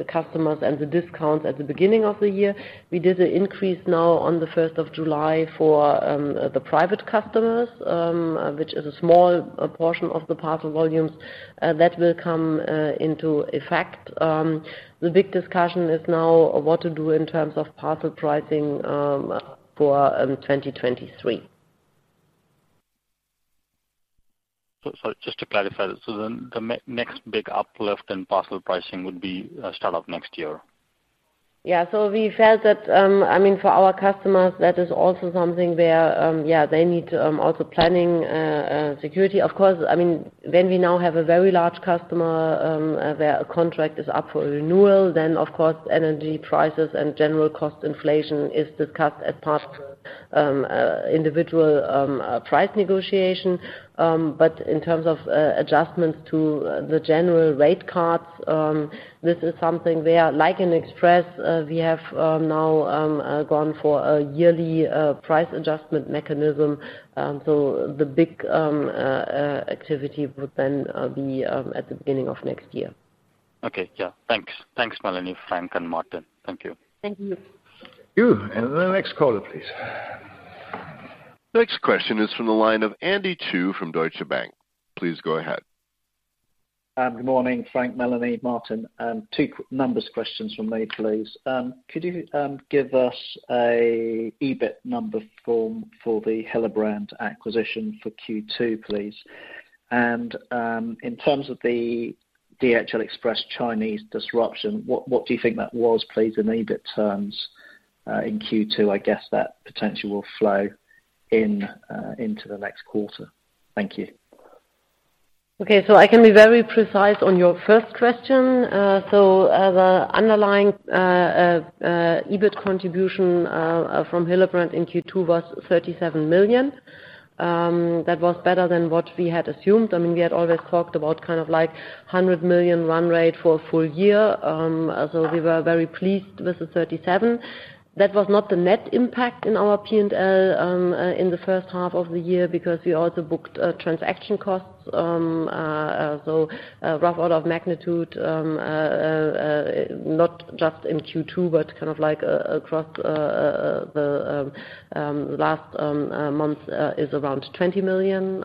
customers and the discounts at the beginning of the year. We did an increase now on the first of July for the private customers, which is a small portion of the parcel volumes that will come into effect. The big discussion is now what to do in terms of parcel pricing for 2023. Just to clarify, then the next big uplift in parcel pricing would be start of next year? Yeah. We felt that, I mean, for our customers, that is also something where they need also planning security. Of course, I mean, when we now have a very large customer, their contract is up for renewal, then of course, energy prices and general cost inflation is discussed as part individual price negotiation. In terms of adjustments to the general rate cards, this is something where like in Express we have now gone for a yearly price adjustment mechanism. The big activity would then be at the beginning of next year. Okay. Yeah. Thanks, Melanie, Frank, and Martin. Thank you. Thank you. Thank you. The next caller, please. Next question is from the line of Andy Chu from Deutsche Bank. Please go ahead. Good morning, Frank, Melanie, Martin. Two questions from me, please. Could you give us a EBIT number for the Hillebrand acquisition for Q2, please? In terms of the DHL Express Chinese disruption, what do you think that was, please, in EBIT terms, in Q2? I guess that potentially will flow in into the next quarter. Thank you. Okay. I can be very precise on your first question. The underlying EBIT contribution from Hillebrand in Q2 was 37 million. That was better than what we had assumed. I mean, we had always talked about kind of like 100 million run rate for a full year. We were very pleased with the 37. That was not the net impact in our P&L in the first half of the year because we also booked transaction costs. A rough order of magnitude, not just in Q2, but kind of like across the last month, is around 20 million.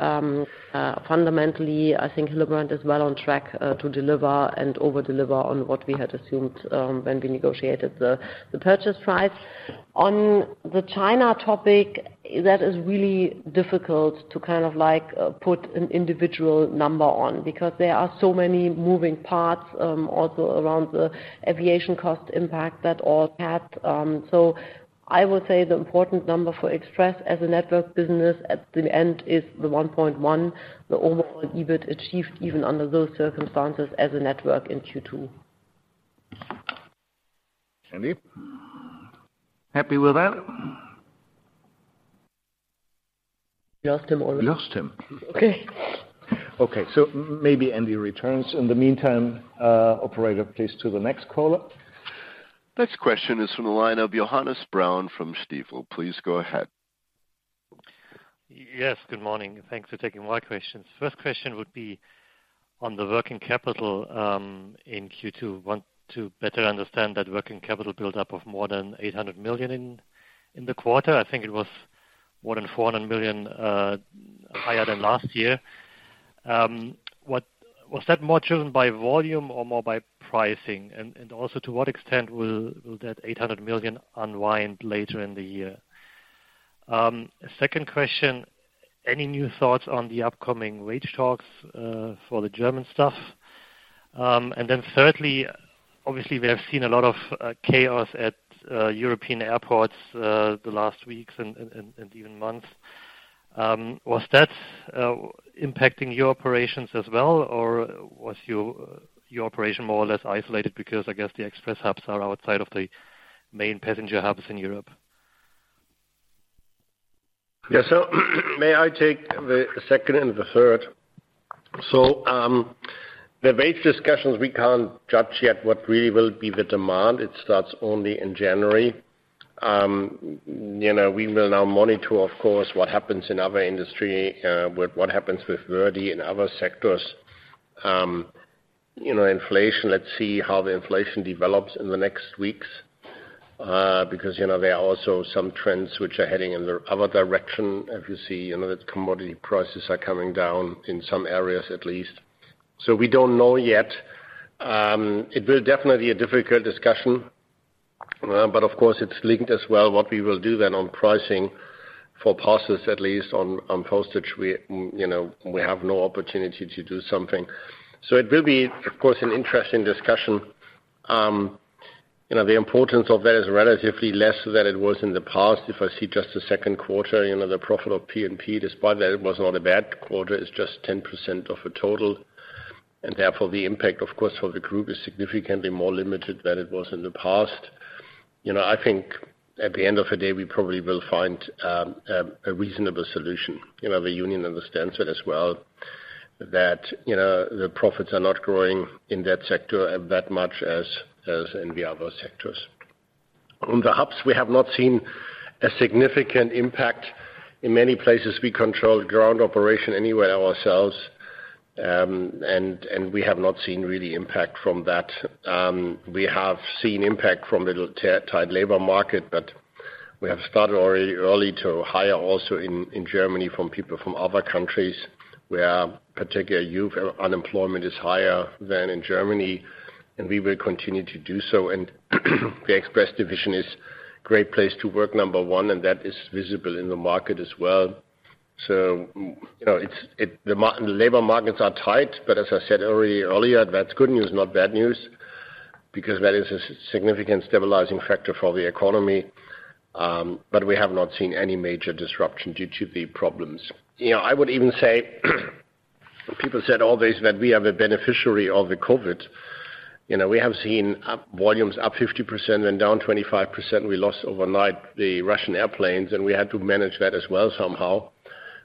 Fundamentally, I think Hillebrand is well on track to deliver and over-deliver on what we had assumed when we negotiated the purchase price. On the China topic, that is really difficult to kind of like put an individual number on because there are so many moving parts, also around the aviation cost impact that all had. I would say the important number for Express as a network business at the end is the 1.1, the overall EBIT achieved even under those circumstances as a network in Q2. Andy? Happy with that? We lost him. We lost him. Okay. Maybe Andy returns. In the meantime, operator, please to the next caller. Next question is from the line of Johannes Braun from Stifel. Please go ahead. Yes, good morning. Thanks for taking my questions. First question would be on the working capital in Q2. Want to better understand that working capital build up of more than 800 million in the quarter. I think it was more than 400 million higher than last year. Was that more driven by volume or more by pricing? And also to what extent will that 800 million unwind later in the year? Second question, any new thoughts on the upcoming wage talks for the German staff? Then thirdly, obviously, we have seen a lot of chaos at European airports the last weeks and even months. Was that impacting your operations as well, or was your operation more or less isolated? Because I guess the Express hubs are outside of the main passenger hubs in Europe. Yes, may I take the second and the third. The wage discussions, we can't judge yet what really will be the demand. It starts only in January. You know, we will now monitor, of course, what happens in other industry, with what happens with Verdi and other sectors. You know, inflation, let's see how the inflation develops in the next weeks, because, you know, there are also some trends which are heading in the other direction. As you see, you know, the commodity prices are coming down in some areas at least. We don't know yet. It will definitely a difficult discussion. But of course, it's linked as well what we will do then on pricing for parcels, at least on postage. We, you know, we have no opportunity to do something. It will be, of course, an interesting discussion. You know, the importance of that is relatively less than it was in the past. If I see just the second quarter, you know, the profit of P&P, despite that it was not a bad quarter, is just 10% of the total. Therefore, the impact, of course, for the group is significantly more limited than it was in the past. You know, I think at the end of the day, we probably will find a reasonable solution. You know, the union understands that as well, that, you know, the profits are not growing in that sector that much as in the other sectors. On the hubs, we have not seen a significant impact. In many places, we control ground operation anyway ourselves, and we have not seen real impact from that. We have seen impact from the tight labor market, but we have started already early to hire also in Germany from people from other countries where particular youth unemployment is higher than in Germany, and we will continue to do so. The express division is great place to work, number one, and that is visible in the market as well. You know, it's the labor markets are tight, but as I said earlier, that's good news, not bad news, because that is a significant stabilizing factor for the economy. We have not seen any major disruption due to the problems. You know, I would even say, people said always that we are the beneficiary of the COVID. You know, we have seen volumes up 50%, then down 25%. We lost overnight the Russian airplanes, and we had to manage that as well somehow.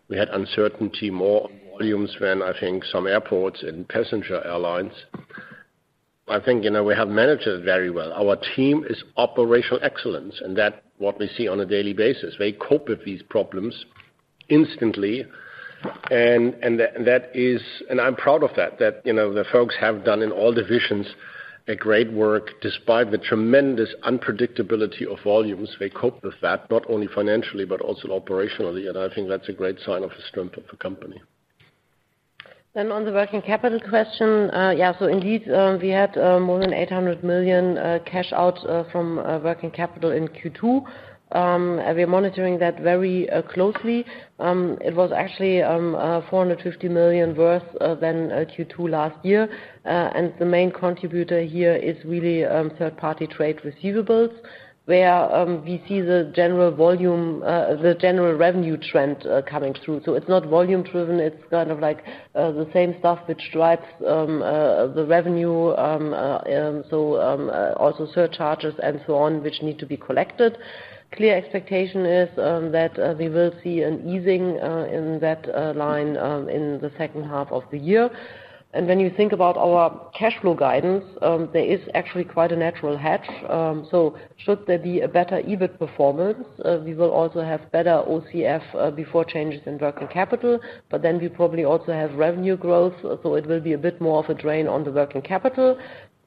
We had uncertainty, more volumes than I think some airports and passenger airlines. I think, you know, we have managed it very well. Our team is operational excellence, and that what we see on a daily basis. They cope with these problems instantly. That is, and I'm proud of that, you know, the folks have done in all divisions a great work. Despite the tremendous unpredictability of volumes, they cope with that, not only financially but also operationally. I think that's a great sign of the strength of the company. On the working capital question. Indeed, we had more than 800 million cash out from working capital in Q2. We're monitoring that very closely. It was actually 450 million worse than Q2 last year. The main contributor here is third-party trade receivables, where we see the general volume the general revenue trend coming through. It's not volume-driven. It's kind of like the same stuff which drives the revenue also surcharges and so on, which need to be collected. Clear expectation is that we will see an easing in that line in the second half of the year. When you think about our cash flow guidance, there is actually quite a natural hedge. Should there be a better EBIT performance, we will also have better OCF before changes in working capital. We probably also have revenue growth, so it will be a bit more of a drain on the working capital.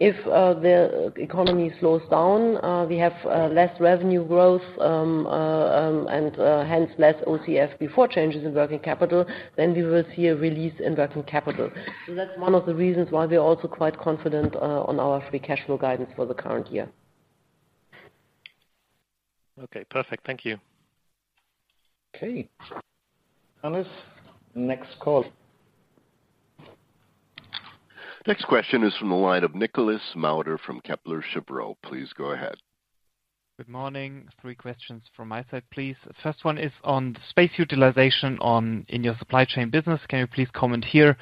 If the economy slows down, we have less revenue growth, and hence less OCF before changes in working capital, then we will see a release in working capital. That's one of the reasons why we're also quite confident on our free cash flow guidance for the current year. Okay, perfect. Thank you. Okay. Alex, next call. Next question is from the line of Nikolas Mauder from Kepler Cheuvreux. Please go ahead. Good morning. Three questions from my side, please. First one is on space utilization in your supply chain business. Can you please comment here?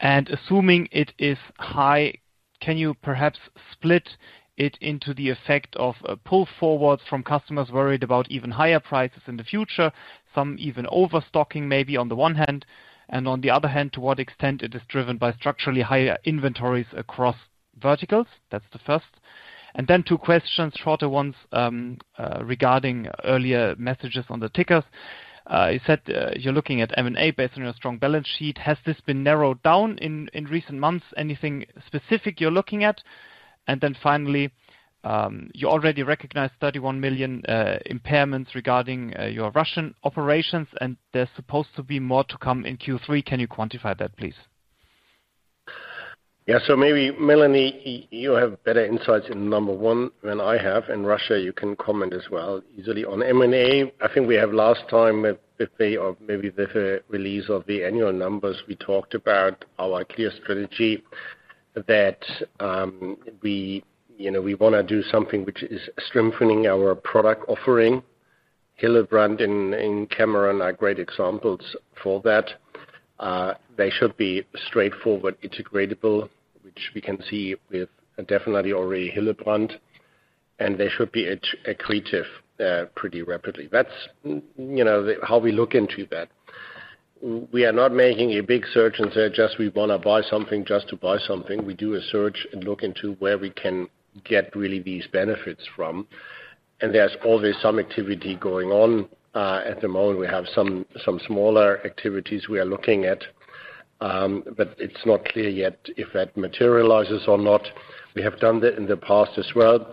Assuming it is high, can you perhaps split it into the effect of pull forwards from customers worried about even higher prices in the future, some even overstocking maybe on the one hand. And on the other hand, to what extent it is driven by structurally higher inventories across verticals? That's the first. Then two questions, shorter ones, regarding earlier messages on the tickers. You said you're looking at M&A based on your strong balance sheet. Has this been narrowed down in recent months? Anything specific you're looking at? Then finally, you already recognized 31 million impairments regarding your Russian operations, and there's supposed to be more to come in Q3. Can you quantify that, please? Yeah. Maybe Melanie, you have better insights in number one than I have. In Russia, you can comment as well. Usually on M&A, I think we have last time at the page or maybe the release of the annual numbers, we talked about our clear strategy that, you know, we wanna do something which is strengthening our product offering. Hillebrand and Cameron are great examples for that. They should be straightforward, integratable, which we can see with definitely already Hillebrand, and they should be accretive pretty rapidly. That's, you know, how we look into that. We are not making a big search and say just we wanna buy something just to buy something. We do a search and look into where we can get really these benefits from, and there's always some activity going on. At the moment, we have some smaller activities we are looking at, but it's not clear yet if that materializes or not. We have done that in the past as well.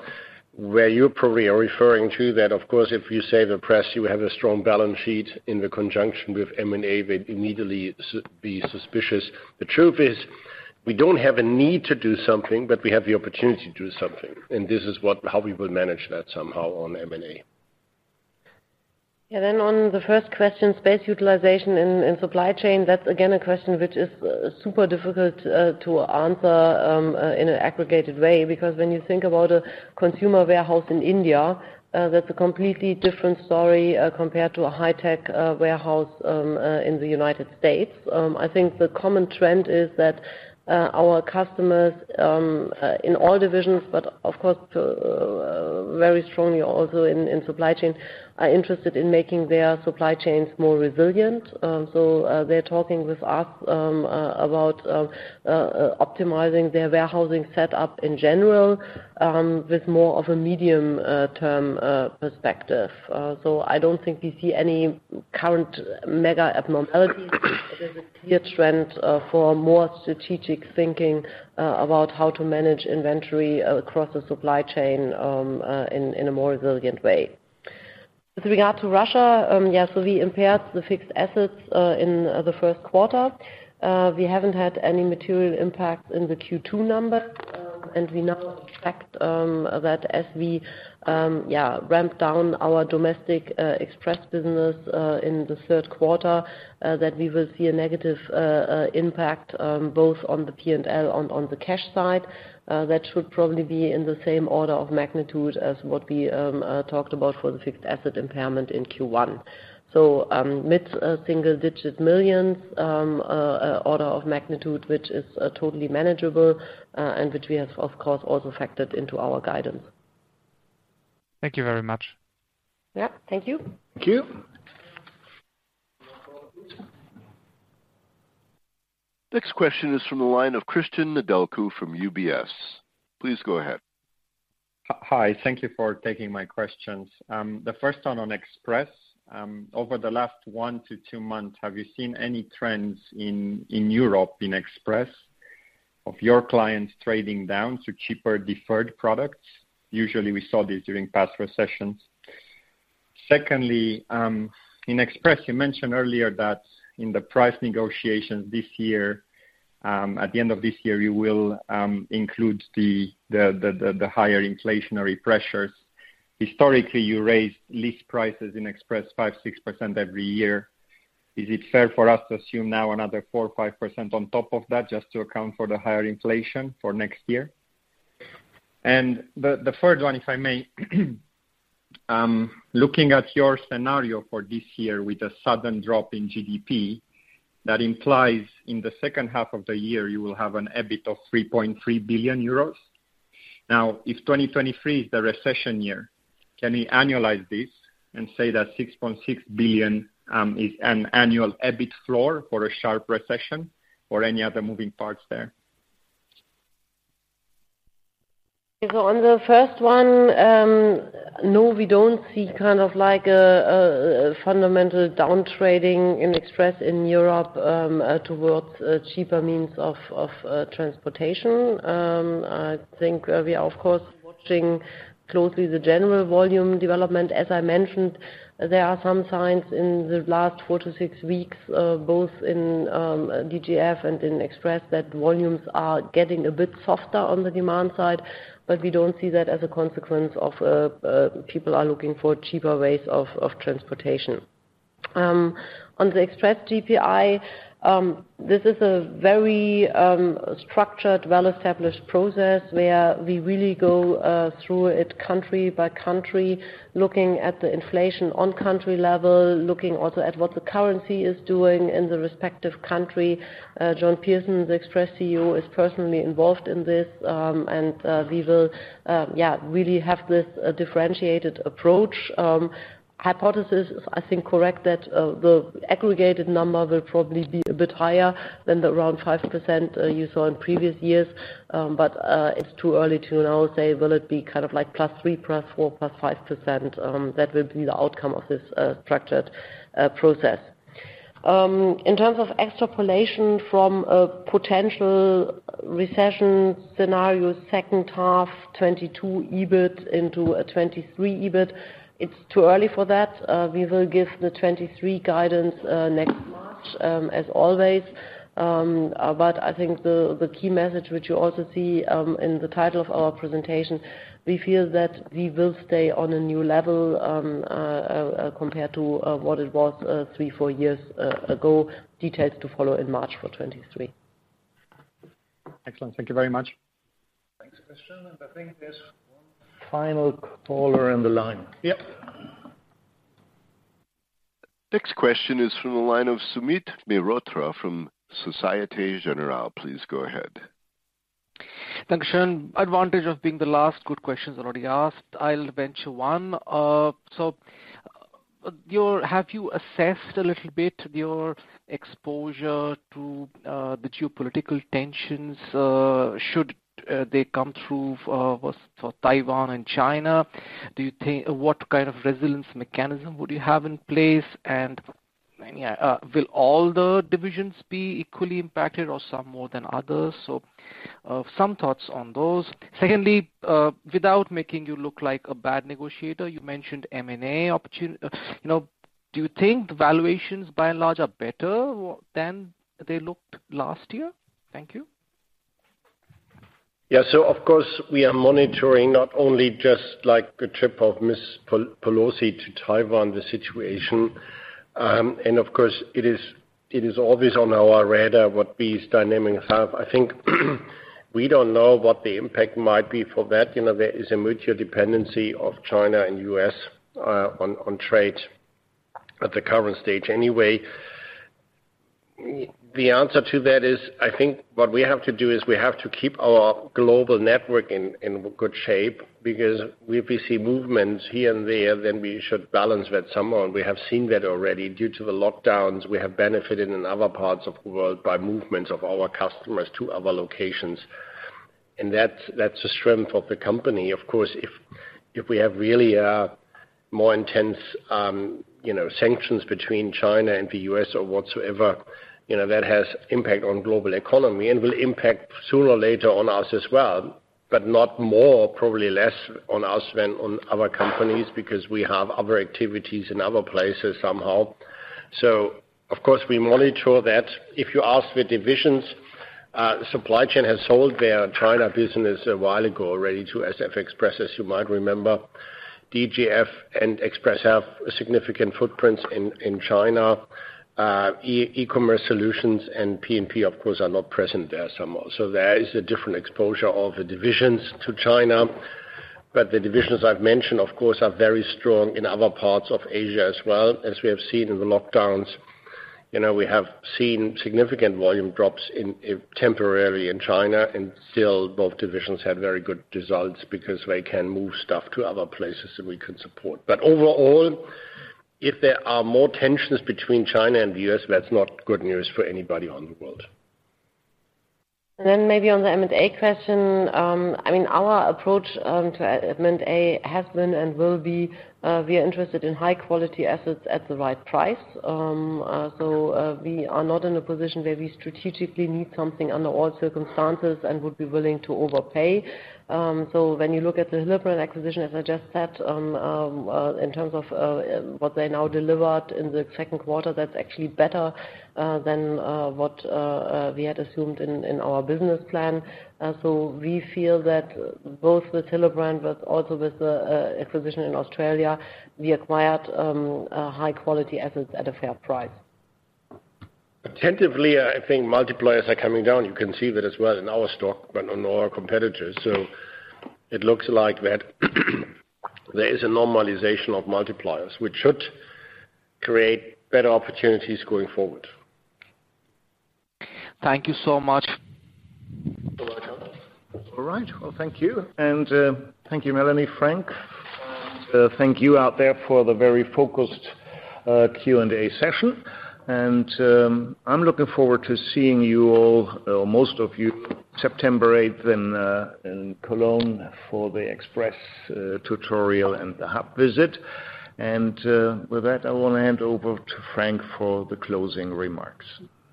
Where you probably are referring to that, of course, if you say the press, you have a strong balance sheet in conjunction with M&A, they'd immediately be suspicious. The truth is, we don't have a need to do something, but we have the opportunity to do something, and this is how we will manage that somehow on M&A. Yeah, on the first question, space utilization and supply chain, that's again a question which is super difficult to answer in an aggregated way because when you think about a consumer warehouse in India, that's a completely different story compared to a high-tech warehouse in the United States. I think the common trend is that our customers in all divisions, but of course very strongly also in supply chain, are interested in making their supply chains more resilient. They're talking with us about optimizing their warehousing setup in general with more of a medium term perspective. I don't think we see any current mega abnormalities. There's a clear trend for more strategic thinking about how to manage inventory across the supply chain in a more resilient way. With regard to Russia, we impaired the fixed assets in the first quarter. We haven't had any material impact in the Q2 numbers, and we now expect that as we ramp down our domestic express business in the third quarter, that we will see a negative impact both on the P&L on the cash side. That should probably be in the same order of magnitude as what we talked about for the fixed asset impairment in Q1. Mid-single-digit millions, order of magnitude, which is totally manageable, and which we have, of course, also factored into our guidance. Thank you very much. Yeah. Thank you. Thank you. Next question is from the line of Cristian Nedelcu from UBS. Please go ahead. Hi. Thank you for taking my questions. The first one on Express. Over the last 1-2 months, have you seen any trends in Europe in Express of your clients trading down to cheaper deferred products? Usually, we saw this during past recessions. Secondly, in Express, you mentioned earlier that in the price negotiations this year, at the end of this year, you will include the higher inflationary pressures. Historically, you raised list prices in Express 5-6% every year. Is it fair for us to assume now another 4-5% on top of that just to account for the higher inflation for next year? The third one, if I may, looking at your scenario for this year with a sudden drop in GDP, that implies in the second half of the year, you will have an EBIT of 3.3 billion euros. Now, if 2023 is the recession year, can we annualize this and say that 6.6 billion is an annual EBIT floor for a sharp recession or any other moving parts there? On the first one, no, we don't see kind of like a fundamental down trading in Express in Europe towards cheaper means of transportation. I think we are, of course, watching closely the general volume development. As I mentioned, there are some signs in the last 4-6 weeks both in DGF and in Express that volumes are getting a bit softer on the demand side, but we don't see that as a consequence of people are looking for cheaper ways of transportation. On the Express GPI, this is a very structured, well-established process where we really go through it country by country, looking at the inflation on country level, looking also at what the currency is doing in the respective country. John Pearson, the Express CEO, is personally involved in this, and we will really have this differentiated approach. Hypothesis, I think, correct that the aggregated number will probably be a bit higher than around 5% you saw in previous years. It's too early to now say, will it be kind of like +3, +4, +5%. That will be the outcome of this structured process. In terms of extrapolation from a potential recession scenario, second half 2022 EBIT into a 2023 EBIT, it's too early for that. We will give the 2023 guidance next March, as always. I think the key message, which you also see in the title of our presentation. We feel that we will stay on a new level compared to what it was three, four years ago. Details to follow in March for 2023. Excellent. Thank you very much. Thanks, Cristian. I think there's one final caller on the line. Yep. Next question is from the line of Sumit Mehrotra from Société Générale. Please go ahead. Thanks. Advantage of being the last, good questions already asked. I'll venture one. Have you assessed a little bit your exposure to the geopolitical tensions, should they come through for Taiwan and China? What kind of resilience mechanism would you have in place? Will all the divisions be equally impacted or some more than others? Some thoughts on those. Secondly, without making you look like a bad negotiator, you mentioned M&A. You know, do you think the valuations by and large are better than they looked last year? Thank you. Yeah. Of course, we are monitoring not only just, like, the trip of Ms. Pelosi to Taiwan, the situation, and of course, it is always on our radar what these dynamics have. I think, we don't know what the impact might be for that. You know, there is a mutual dependency of China and U.S., on trade at the current stage. Anyway, the answer to that is, I think what we have to do is we have to keep our global network in good shape because if we see movements here and there, then we should balance that somehow. We have seen that already due to the lockdowns. We have benefited in other parts of the world by movements of our customers to other locations. That's a strength of the company. Of course, if we have really a more intense, you know, sanctions between China and the U.S. or whatsoever, you know, that has impact on global economy and will impact sooner or later on us as well, but not more, probably less on us than on other companies because we have other activities in other places somehow. We monitor that. If you ask the divisions, Supply Chain has sold their China business a while ago already to SF Express, as you might remember. DGF and Express have significant footprints in China. eCommerce Solutions and P&P of course are not present there somehow. There is a different exposure of the divisions to China. The divisions I've mentioned, of course, are very strong in other parts of Asia as well. As we have seen in the lockdowns, you know, we have seen significant volume drops in temporarily in China, and still both divisions had very good results because they can move stuff to other places that we could support. But overall, if there are more tensions between China and the U.S., that's not good news for anybody in the world. Then maybe on the M&A question, I mean, our approach to M&A has been and will be, we are interested in high quality assets at the right price. We are not in a position where we strategically need something under all circumstances and would be willing to overpay. When you look at the Hillebrand acquisition, as I just said, in terms of what they now delivered in the second quarter, that's actually better than what we had assumed in our business plan. We feel that both with Hillebrand, but also with the acquisition in Australia, we acquired high quality assets at a fair price. Actually, I think multipliers are coming down. You can see that as well in our stock, but also on our competitors. It looks like that there is a normalization of multipliers, which should create better opportunities going forward. Thank you so much. You're welcome. All right. Well, thank you. Thank you Melanie, Frank. Thank you out there for the very focused Q&A session. I'm looking forward to seeing you all or most of you September eighth in Cologne for the Express tutorial and the hub visit. With that, I wanna hand over to Frank for the closing remarks.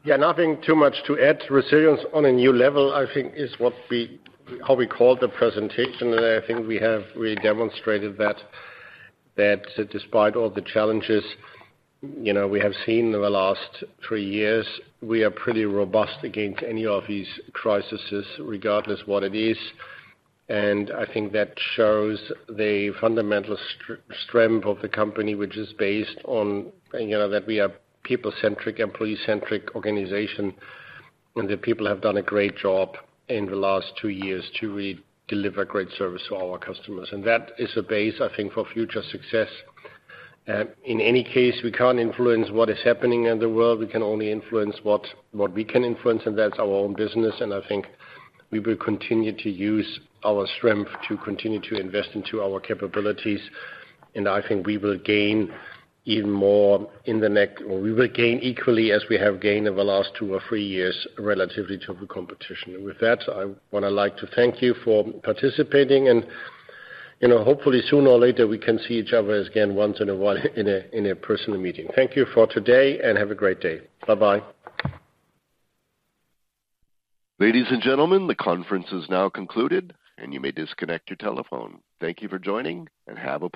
Yeah, nothing too much to add. Resilience on a new level, I think, is what we called the presentation today. I think we have really demonstrated that despite all the challenges, you know, we have seen in the last three years, we are pretty robust against any of these crises, regardless what it is. I think that shows the fundamental strength of the company, which is based on, you know, that we are people-centric, employee-centric organization, and the people have done a great job in the last two years to really deliver great service to our customers. That is a base, I think, for future success. In any case, we can't influence what is happening in the world. We can only influence what we can influence, and that's our own business. I think we will continue to use our strength to continue to invest into our capabilities. I think we will gain even more, or we will gain equally as we have gained over the last two or three years relatively to the competition. With that, I wanna like to thank you for participating and, you know, hopefully sooner or later we can see each other again once in a while in a personal meeting. Thank you for today, and have a great day. Bye-bye. Ladies and gentlemen, the conference is now concluded and you may disconnect your telephone. Thank you for joining and have a pleasant rest of your day.